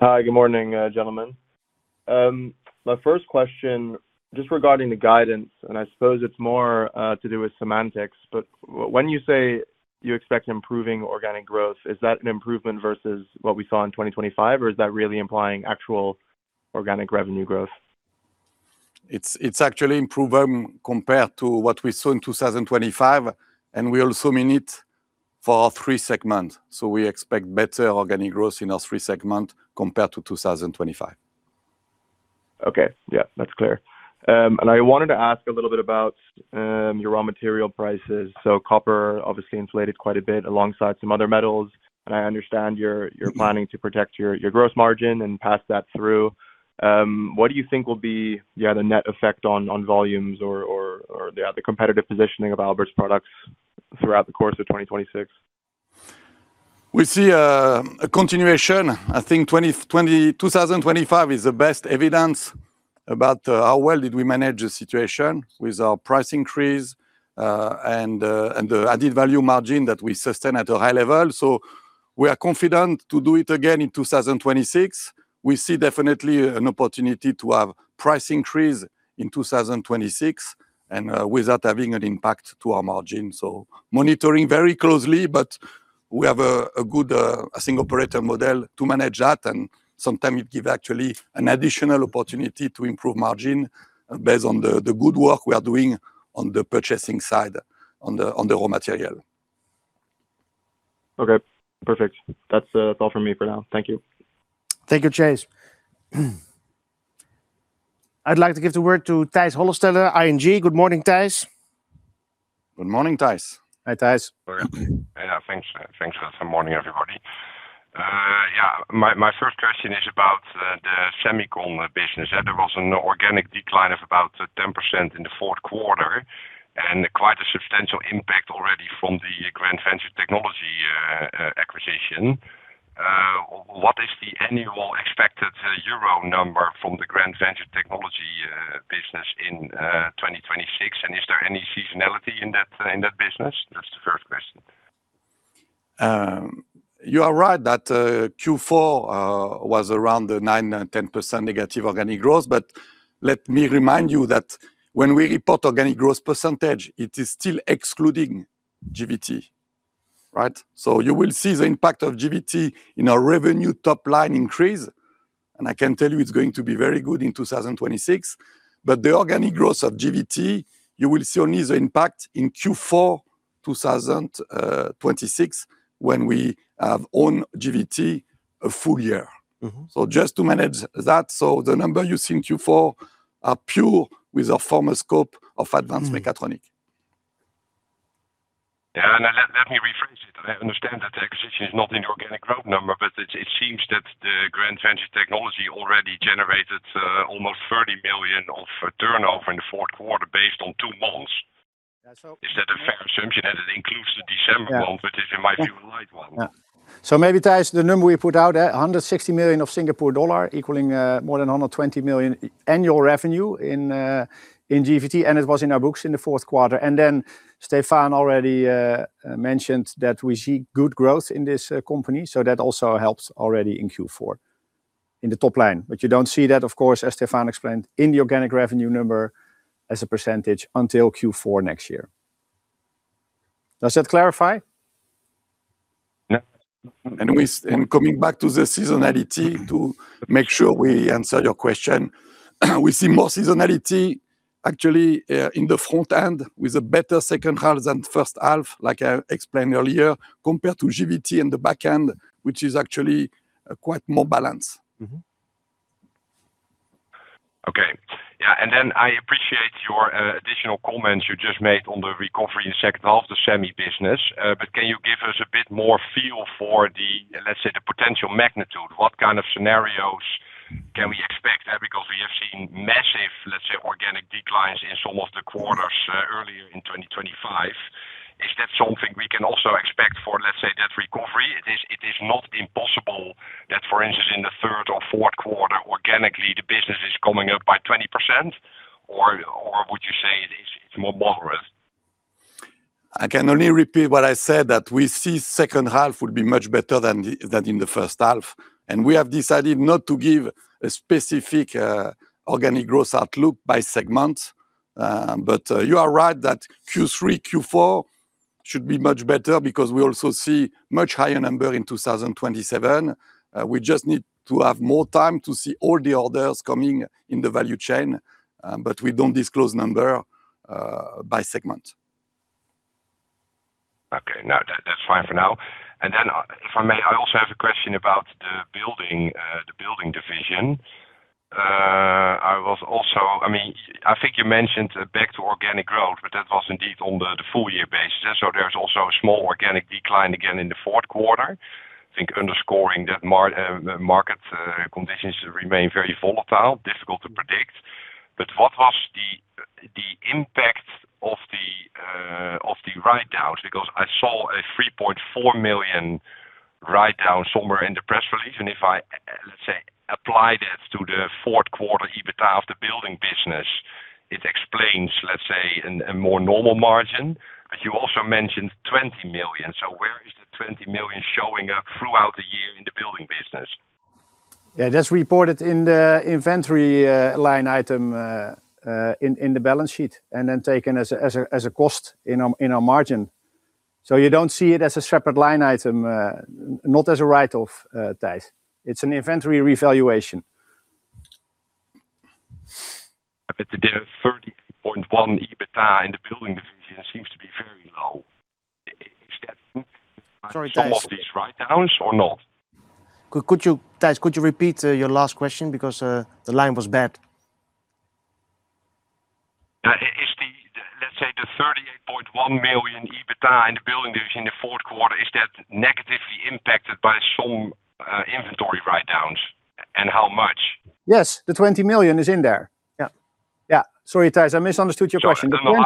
Hi, good morning, gentlemen. My first question, just regarding the guidance, and I suppose it's more, to do with semantics, but when you say you expect improving organic growth, is that an improvement versus what we saw in 2025, or is that really implying actual organic revenue growth? It's actually improvement compared to what we saw in 2025, and we also mean it for our three segments. We expect better organic growth in our three segment compared to 2025. Okay. Yeah, that's clear. I wanted to ask a little bit about your raw material prices. Copper obviously inflated quite a bit alongside some other metals, and I understand you're planning to protect your gross margin and pass that through. What do you think will be the net effect on volumes or the competitive positioning of Aalberts products throughout the course of 2026? We see a continuation. I think 2025 is the best evidence about how well did we manage the situation with our price increase, and the added value margin that we sustain at a high level. We are confident to do it again in 2026. We see definitely an opportunity to have price increase in 2026, without having an impact to our margin. Monitoring very closely, but we have a good, a single operator model to manage that, and sometimes it give actually an additional opportunity to improve margin based on the good work we are doing on the purchasing side, on the raw material. Okay, perfect. That's all from me for now. Thank you. Thank you, Chase. I'd like to give the word to Tijs Hollestelle, ING. Good morning, Tijs. Good morning, Tijs. Hi, Tijs. Thanks. Good morning, everybody. My first question is about the semicon business. There was an organic decline of about 10% in the fourth quarter, and quite a substantial impact already from the Grand Venture Technology acquisition. What is the annual expected EUR number from the Grand Venture Technology business in 2026? Is there any seasonality in that business? That's the first question. You are right, that Q4 was around the 9% and 10% negative organic growth. Let me remind you that when we report organic growth percentage, it is still excluding GVT, right? You will see the impact of GVT in our revenue top line increase, and I can tell you it's going to be very good in 2026. The organic growth of GVT, you will see only the impact in Q4 2026, when we have owned GVT a full year. Mm-hmm. Just to manage that, so the number you see in Q4 are pure with a former scope of advanced mechatronics. Yeah, let me rephrase it. I understand that the acquisition is not an organic growth number, but it seems that the Grand Venture Technology already generated, almost 30 million of turnover in the fourth quarter based on two months. Yeah. Is that a fair assumption, that it includes the December month, which in my view, a light one? Yeah. Maybe, Tijs, the number we put out, 160 million, equaling, more than 120 million annual revenue in GVT, and it was in our books in the fourth quarter. Stefan already mentioned that we see good growth in this company, so that also helps already in Q4, in the top line. You don't see that, of course, as Stefan explained, in the organic revenue number as a percentage until Q4 next year. Does that clarify? Yeah. Coming back to the seasonality, to make sure we answer your question, we see more seasonality actually, in the front end, with a better second half than first half, like I explained earlier, compared to GVT in the back end, which is actually quite more balanced. Mm-hmm. Okay. Yeah, I appreciate your additional comments you just made on the recovery in second half of the Semi business. Can you give us a bit more feel for the, let's say, the potential magnitude? What kind of scenarios can we expect, because we have seen massive, let's say, organic declines in some of the quarters earlier in 2025. Is that something we can also expect for, let's say, that recovery? It is not impossible that, for instance, in the third or fourth quarter, organically, the business is coming up by 20%, or would you say it is more moderate? I can only repeat what I said, that we see second half will be much better than in the first half. We have decided not to give a specific organic growth outlook by segment. You are right that Q3, Q4 should be much better because we also see much higher number in 2027. We just need to have more time to see all the orders coming in the value chain. We don't disclose number by segment. Okay. No, that's fine for now. If I may, I also have a question about the building division. I mean, I think you mentioned back to organic growth, but that was indeed on the full year basis. There's also a small organic decline again in the fourth quarter. I think underscoring that market conditions remain very volatile, difficult to predict. What was the impact of the write-down? I saw a 3.4 million write-down somewhere in the press release. If I, let's say, apply that to the fourth quarter EBITA of the building business, it explains, let's say, a more normal margin. You also mentioned 20 million. Where is the 20 million showing up throughout the year in the building business? Yeah, that's reported in the inventory line item in the balance sheet, and then taken as a cost in our margin. You don't see it as a separate line item, not as a write-off, Thijs. It's an inventory revaluation. The 38.1% EBITA in the building division seems to be very low. Is that? Sorry, Thijs.... some of these write-downs or not? Tijs, could you repeat your last question? Because the line was bad. Is the, let's say, the 38.1 million EBITA in the building division in the fourth quarter, is that negatively impacted by some inventory write-downs, and how much? Yes, the 20 million is in there. Yeah. Yeah, sorry, Tijs, I misunderstood your question. No, no.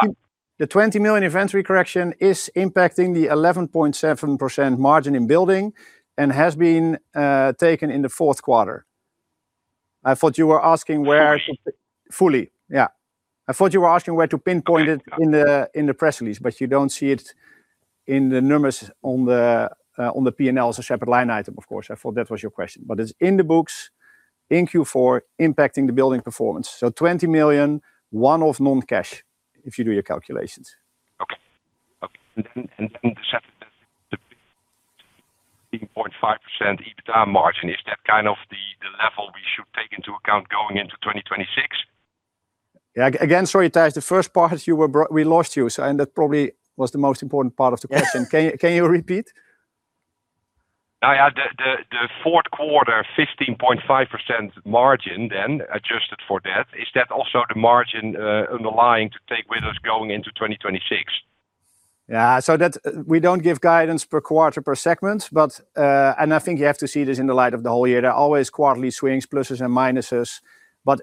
The 20 million event recorrection is impacting the 11.7% margin in building and has been taken in the fourth quarter. I thought you were asking. Fully. Fully. Yeah. I thought you were asking where to pinpoint it in the, in the press release. You don't see it in the numbers on the P&L as a separate line item, of course. I thought that was your question. It's in the books, in Q4, impacting the building performance. 20 million, one-off non-cash, if you do your calculations. Okay. Okay. The second thing, 15.5% EBITDA margin, is that kind of the level we should take into account going into 2026? Yeah. again, sorry, Thijs, the first part you were. We lost you. That probably was the most important part of the question. Can you repeat? Yeah, yeah. The fourth quarter, 15.5% margin then, adjusted for that, is that also the margin on the line to take with us going into 2026? Yeah, so we don't give guidance per quarter, per segment, but. I think you have to see this in the light of the whole year. There are always quarterly swings, pluses and minuses.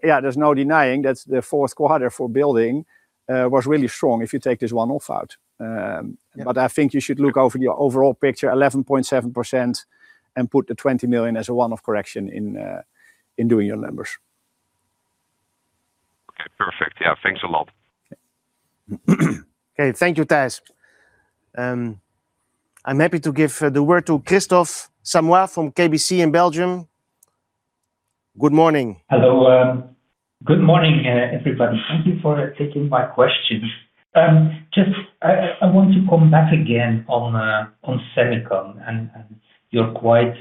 Yeah, there's no denying that the fourth quarter for building was really strong, if you take this one off out. Yeah. I think you should look over your overall picture, 11.7%, and put the 20 million as a one-off correction in doing your numbers. Okay, perfect. Yeah, thanks a lot. Okay. Thank you, Thijs. I'm happy to give the word to Kristof Samoy from KBC in Belgium. Good morning. Hello. Good morning, everybody. Thank you for taking my question. Just I want to come back again on semicon, and you're quite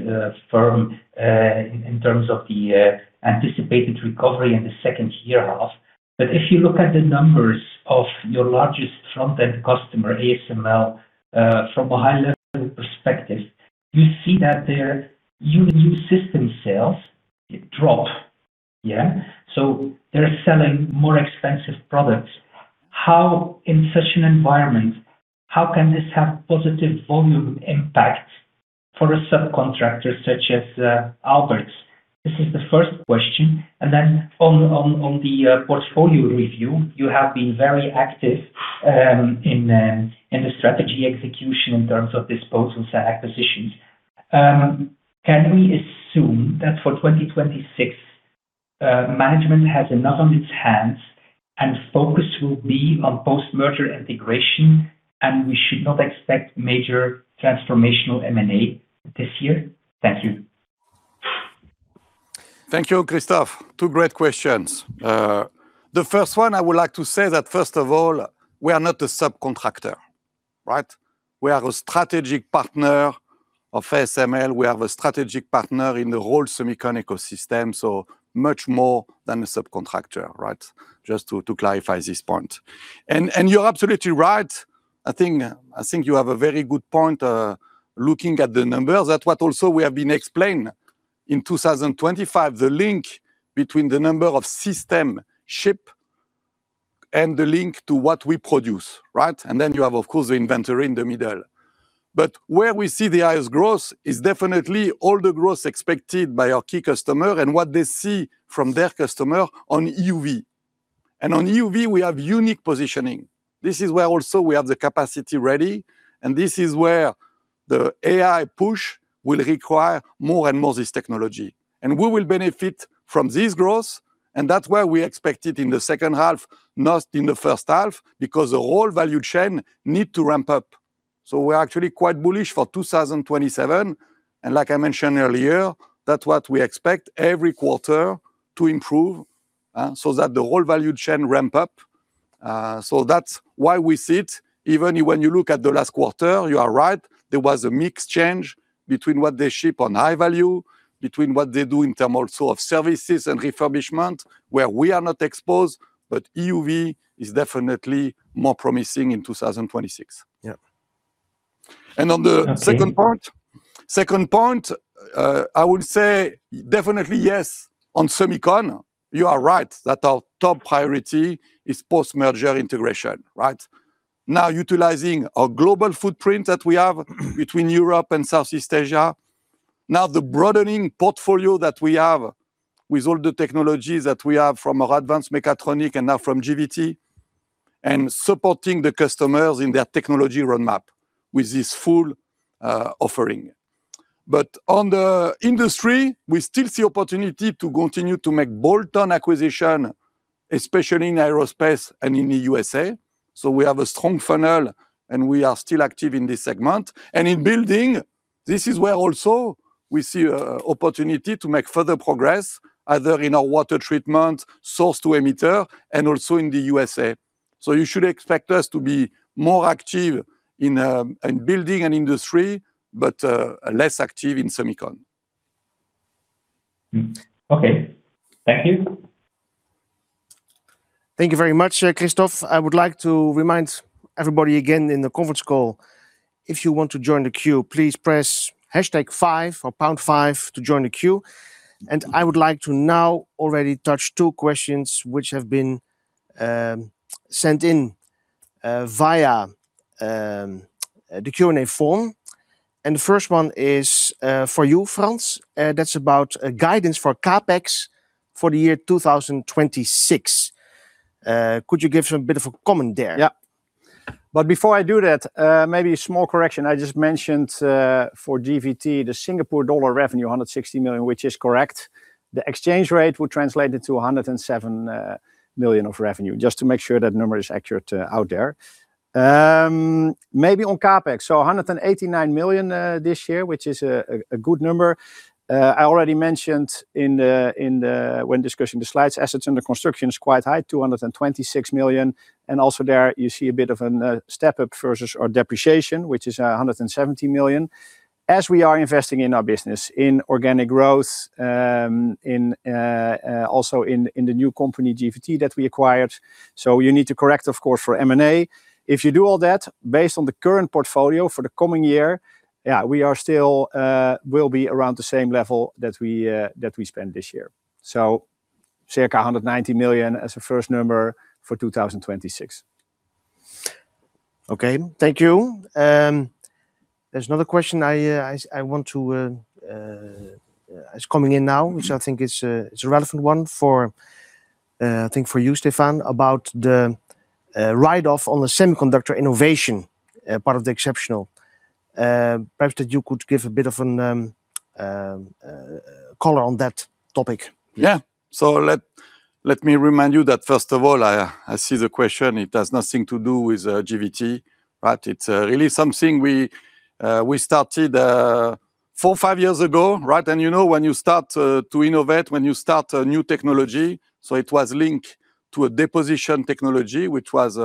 firm in terms of the anticipated recovery in the second year half. If you look at the numbers of your largest front-end customer, ASML, from a high-level perspective, you see that their new system sales drop. Yeah? They're selling more expensive products. How, in such an environment, how can this have positive volume impact for a subcontractor such as Aalberts? This is the first question. On the portfolio review, you have been very active in the strategy execution in terms of disposals and acquisitions. Can we assume that for 2026, management has enough on its hands, and focus will be on post-merger integration, and we should not expect major transformational M&A this year? Thank you. Thank you, Kristof. Two great questions. The first one, I would like to say that, first of all, we are not a subcontractor, right? We are a strategic partner of ASML. We are a strategic partner in the whole semicon ecosystem, so much more than a subcontractor, right? Just to clarify this point. You're absolutely right. I think you have a very good point, looking at the numbers. That's what also we have been explained. In 2025, the link between the number of system ship and the link to what we produce, right? You have, of course, the inventory in the middle. Where we see the highest growth is definitely all the growth expected by our key customer and what they see from their customer on EUV. On EUV, we have unique positioning. This is where also we have the capacity ready, and this is where the AI push will require more and more this technology. We will benefit from this growth, and that's why we expect it in the second half, not in the first half, because the whole value chain need to ramp up. We're actually quite bullish for 2027, and like I mentioned earlier, that's what we expect every quarter to improve, so that the whole value chain ramp up. That's why we see it. Even when you look at the last quarter, you are right, there was a mix change between what they ship on high value, between what they do in term also of services and refurbishment, where we are not exposed, but EUV is definitely more promising in 2026. Yeah. On the second point. Okay. Second point, I would say definitely yes. On semicon, you are right that our top priority is post-merger integration, right? Now, utilizing our global footprint that we have between Europe and Southeast Asia, now the broadening portfolio that we have with all the technologies that we have from our advanced mechatronics and now from GVT, and supporting the customers in their technology roadmap with this full offering. On the industry, we still see opportunity to continue to make bolt-on acquisition, especially in aerospace and in the USA. We have a strong funnel, and we are still active in this segment. In building, this is where also we see opportunity to make further progress, either in our water treatment, source-to-emitter, and also in the USA. You should expect us to be more active in building and industry, but less active in semicon. Mm-hmm. Okay. Thank you. Thank you very much, Kristof. I would like to remind everybody again in the conference call, if you want to join the queue, please press hashtag five or pound five to join the queue. I would like to now already touch two questions which have been sent in via the Q&A form.... The first one is for you, Frans, and that's about a guidance for CapEx for the year 2026. Could you give us a bit of a comment there? Before I do that, maybe a small correction. I just mentioned for GVT, the Singapore dollar revenue, 160 million, which is correct. The exchange rate would translate it to 107 million of revenue, just to make sure that number is accurate out there. Maybe on CapEx, 189 million this year, which is a good number. I already mentioned when discussing the slides, assets under construction is quite high, 226 million, and also there you see a bit of an step-up versus our depreciation, which is 170 million. As we are investing in our business, in organic growth, in, also in the new company, GVT, that we acquired, you need to correct, of course, for M&A. If you do all that, based on the current portfolio for the coming year, yeah, we are still will be around the same level that we that we spent this year. Circa 190 million as a first number for 2026. Thank you. There's another question I want to. It's coming in now, which I think is a, it's a relevant one for I think for you, Stéphane, about the write-off on the semiconductor innovation part of the exceptional. Perhaps that you could give a bit of color on that topic. Yeah. Let me remind you that, first of all, I see the question. It has nothing to do with GVT, right? It's really something we started four, five years ago, right? You know, when you start to innovate, when you start a new technology, it was linked to a deposition technology, which was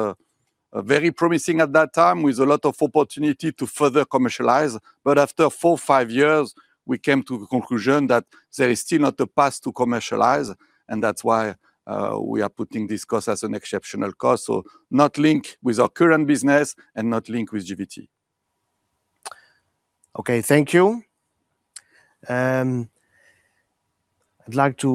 very promising at that time, with a lot of opportunity to further commercialize. After four, five years, we came to the conclusion that there is still not a path to commercialize, and that's why we are putting this cost as an exceptional cost. Not linked with our current business and not linked with GVT. Okay, thank you. It's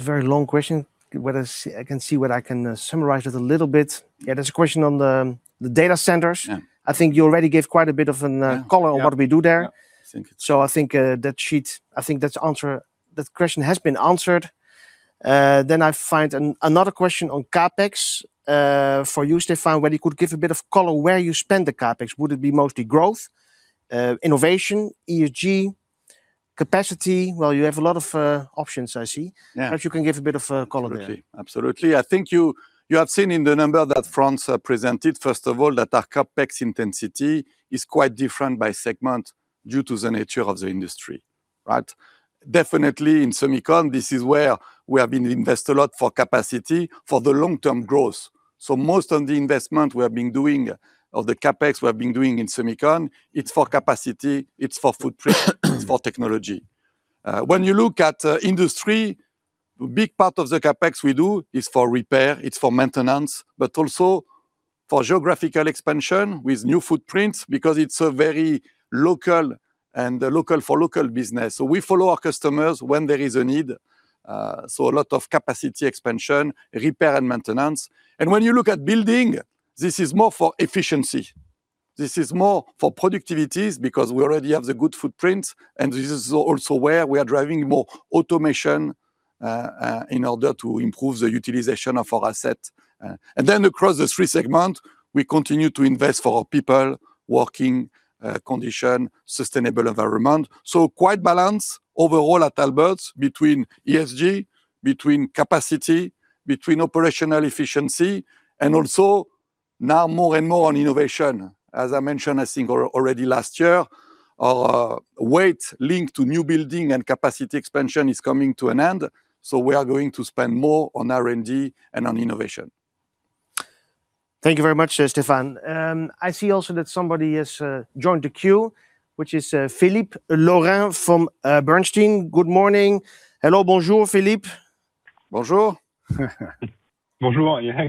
a very long question. I can see whether I can summarize it a little bit. Yeah, there's a question on the data centers. Yeah. I think you already gave quite a bit of an. Yeah color on what we do there. Yeah. I think. I think that sheet, I think that's answered. That question has been answered. I find another question on CapEx, for you, Stéphane, whether you could give a bit of color where you spend the CapEx? Would it be mostly growth, innovation, ESG, capacity? Well, you have a lot of options, I see. Yeah. Perhaps you can give a bit of color there. Absolutely. Absolutely. I think you have seen in the number that Frans presented, first of all, that our CapEx intensity is quite different by segment due to the nature of the industry, right? Definitely in semicon, this is where we have been invest a lot for capacity for the long-term growth. Most of the investment we have been doing, of the CapEx we have been doing in semicon, it's for capacity, it's for footprint, it's for technology. When you look at industry, a big part of the CapEx we do is for repair, it's for maintenance, but also for geographical expansion with new footprints, because it's a very local and local-for-local business. We follow our customers when there is a need, so a lot of capacity expansion, repair, and maintenance. When you look at building, this is more for efficiency. This is more for productivities, because we already have the good footprint, and this is also where we are driving more automation in order to improve the utilization of our asset. And then across the three segment, we continue to invest for our people, working condition, sustainable environment. Quite balanced overall at Aalberts between ESG, between capacity, between operational efficiency, and also now more and more on innovation. As I mentioned, I think already last year, our weight linked to new building and capacity expansion is coming to an end, so we are going to spend more on R&D and on innovation. Thank you very much, Stéphane. I see also that somebody has joined the queue, which is Philippe Lorrain from Bernstein. Good morning. Hello. Bonjour, Philippe. Bonjour. Bonjour, yeah.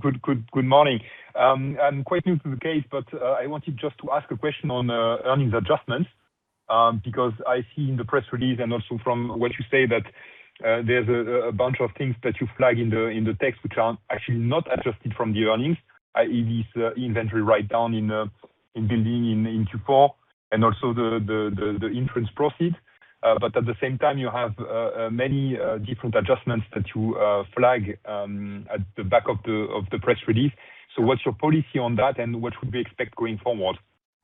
Good, good morning. I'm quite new to the case, but I wanted just to ask a question on earnings adjustments, because I see in the press release and also from what you say, that there's a bunch of things that you flag in the text, which are actually not adjusted from the earnings, i.e., this inventory write-down in building in Q4, and also the insurance proceed. At the same time, you have many different adjustments that you flag at the back of the press release. What's your policy on that, and what should we expect going forward?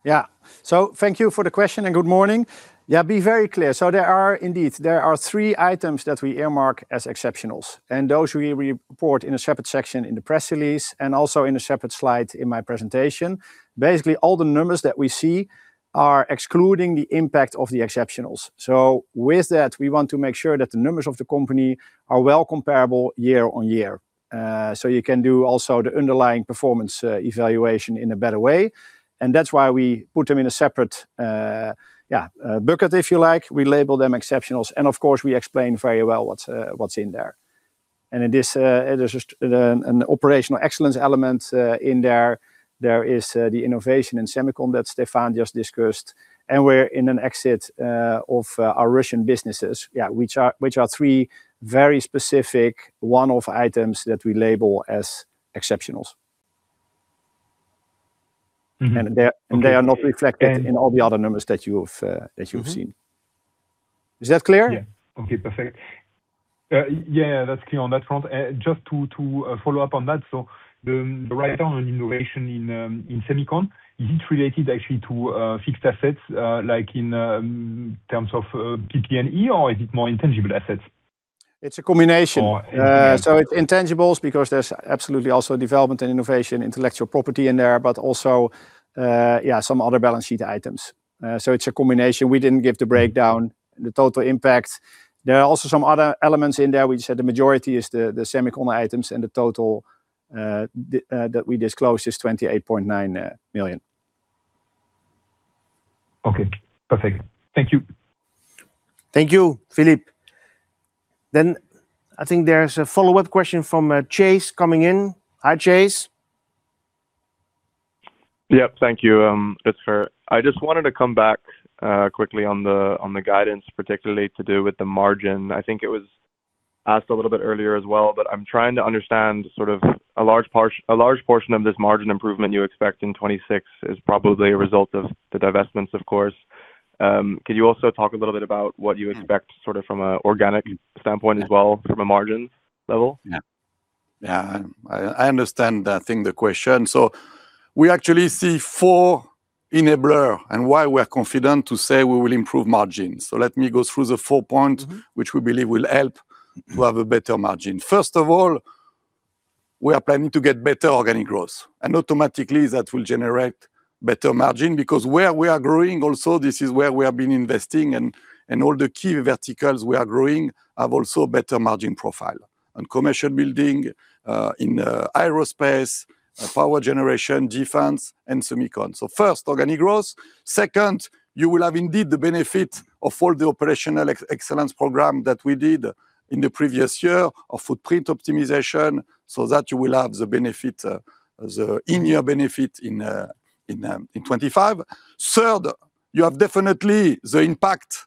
Thank you for the question, and good morning. Be very clear. There are indeed, there are three items that we earmark as exceptionals, and those we report in a separate section in the press release, and also in a separate slide in my presentation. Basically, all the numbers that we see are excluding the impact of the exceptionals. With that, we want to make sure that the numbers of the company are well comparable year-on-year. You can do also the underlying performance evaluation in a better way, and that's why we put them in a separate bucket, if you like. We label them exceptionals, and of course, we explain very well what's what's in there. In this, there's just an operational excellence element in there. There is the innovation in semicon that Stéphane just discussed, and we're in an exit of our Russian businesses, yeah, which are three very specific one-off items that we label as exceptionals. They are not reflected. And- in all the other numbers that you've seen. Mm-hmm. Is that clear? Yeah. Okay, perfect. Yeah, that's clear on that front. Just to follow up on that, the write-down on innovation in semicon, is it related actually to fixed assets, like in terms of PP&E, or is it more intangible assets? It's a combination. Or- Intangibles, because there's absolutely also development and innovation, intellectual property in there, but also, some other balance sheet items. It's a combination. We didn't give the breakdown, the total impact. There are also some other elements in there. We said the majority is the semicon items, and the total that we disclosed is 28.9 million. Okay, perfect. Thank you. Thank you, Philippe. I think there's a follow-up question from Chase coming in. Hi, Chase. Yep, thank you, Rutger. I just wanted to come back quickly on the guidance, particularly to do with the margin. I think it was asked a little bit earlier as well, but I'm trying to understand sort of a large portion of this margin improvement you expect in 2026 is probably a result of the divestments, of course. Could you also talk a little bit about what you expect sort of from a organic standpoint as well, from a margin level? Yeah. Yeah, I understand, I think, the question. We actually see four enabler and why we're confident to say we will improve margins. Let me go through the four point-. Mm-hmm which we believe will help to have a better margin. First of all, we are planning to get better organic growth, automatically that will generate better margin. Where we are growing also, this is where we have been investing, and all the key verticals we are growing have also better margin profile. On commercial building, in aerospace, power generation, defense, and semicon. First, organic growth. Second, you will have indeed the benefit of all the operational excellence program that we did in the previous year of footprint optimization, that you will have the benefit, the in-year benefit in 2025. Third, you have definitely the impact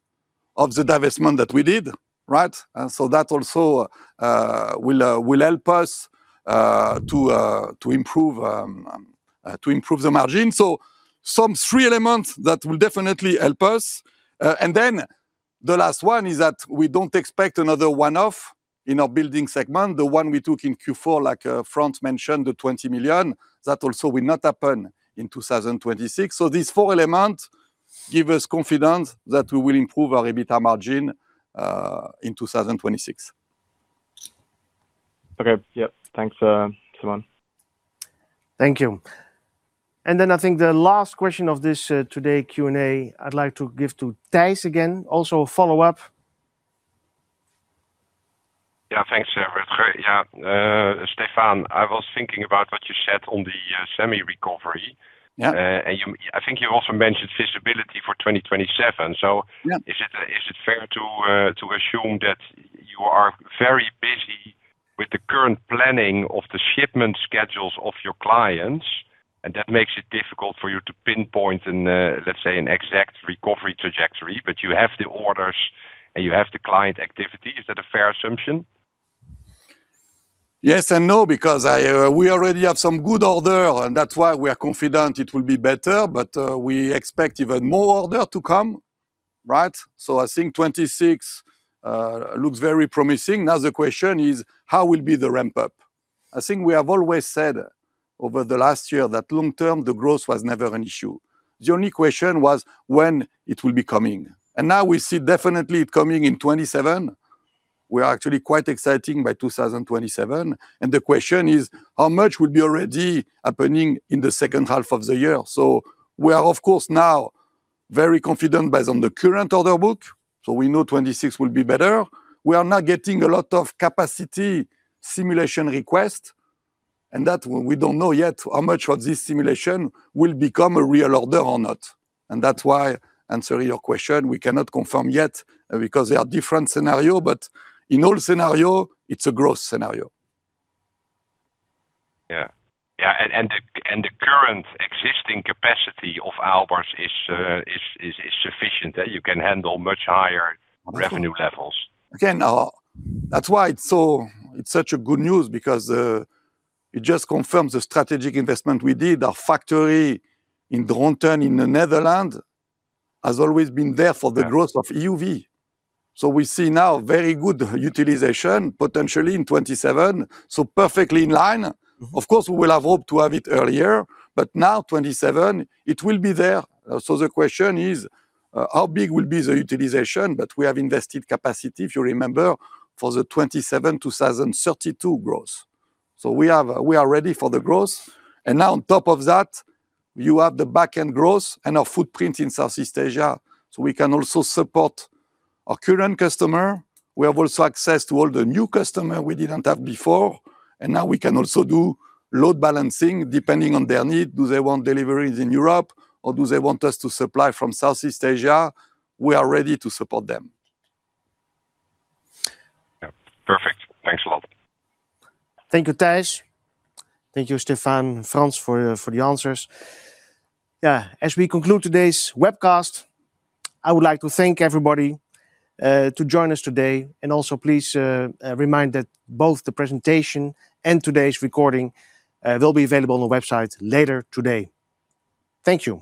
of the divestment that we did, right? That also will help us to improve, to improve the margin. Some three elements that will definitely help us. The last one is that we don't expect another one-off in our building segment, the one we took in Q4, like Frans mentioned, the 20 million. That also will not happen in 2026. These four elements give us confidence that we will improve our EBITDA margin in 2026. Okay. Yep. Thanks, Stéphane. Thank you. I think the last question of this today Q&A, I'd like to give to Thijs again, also a follow-up. Yeah, thanks, Rutger. Yeah, Stéphane, I was thinking about what you said on the semi-recovery. Yeah. I think you also mentioned visibility for 2027. Yeah... is it fair to assume that you are very busy with the current planning of the shipment schedules of your clients, and that makes it difficult for you to pinpoint an, let's say, an exact recovery trajectory, but you have the orders, and you have the client activity? Is that a fair assumption? Yes and no, because I... We already have some good order, and that's why we are confident it will be better. We expect even more order to come, right? I think 2026 looks very promising. Now the question is, how will be the ramp-up? I think we have always said over the last year that long term, the growth was never an issue. The only question was when it will be coming, and now we see definitely it coming in 2027. We are actually quite exciting by 2027, and the question is, how much will be already happening in the second half of the year? We are, of course, now very confident based on the current order book, so we know 2026 will be better. We are now getting a lot of capacity simulation request, and that one, we don't know yet how much of this simulation will become a real order or not, and that's why, answering your question, we cannot confirm yet, because there are different scenarios. In all scenarios, it's a growth scenario. Yeah. Yeah, the current existing capacity of Aalberts is sufficient, that you can handle much higher revenue levels? Again, that's why it's such a good news, because it just confirms the strategic investment we did. Our factory in Dronten, in the Netherlands, has always been there for the. Yeah... growth of EUV. We see now very good utilization, potentially in 2027, so perfectly in line. Mm-hmm. Of course, we will have hoped to have it earlier, but now 2027, it will be there. The question is, how big will be the utilization? We have invested capacity, if you remember, for the 2027 to 2032 growth. We are ready for the growth. Now on top of that, you have the backend growth and our footprint in Southeast Asia, so we can also support our current customer. We have also access to all the new customer we didn't have before. Now we can also do load balancing, depending on their need. Do they want deliveries in Europe, or do they want us to supply from Southeast Asia? We are ready to support them. Yeah. Perfect. Thanks a lot. Thank you, Tijs. Thank you, Stéphane and Frans, for the answers. As we conclude today's webcast, I would like to thank everybody to join us today. Please remind that both the presentation and today's recording will be available on the website later today. Thank you.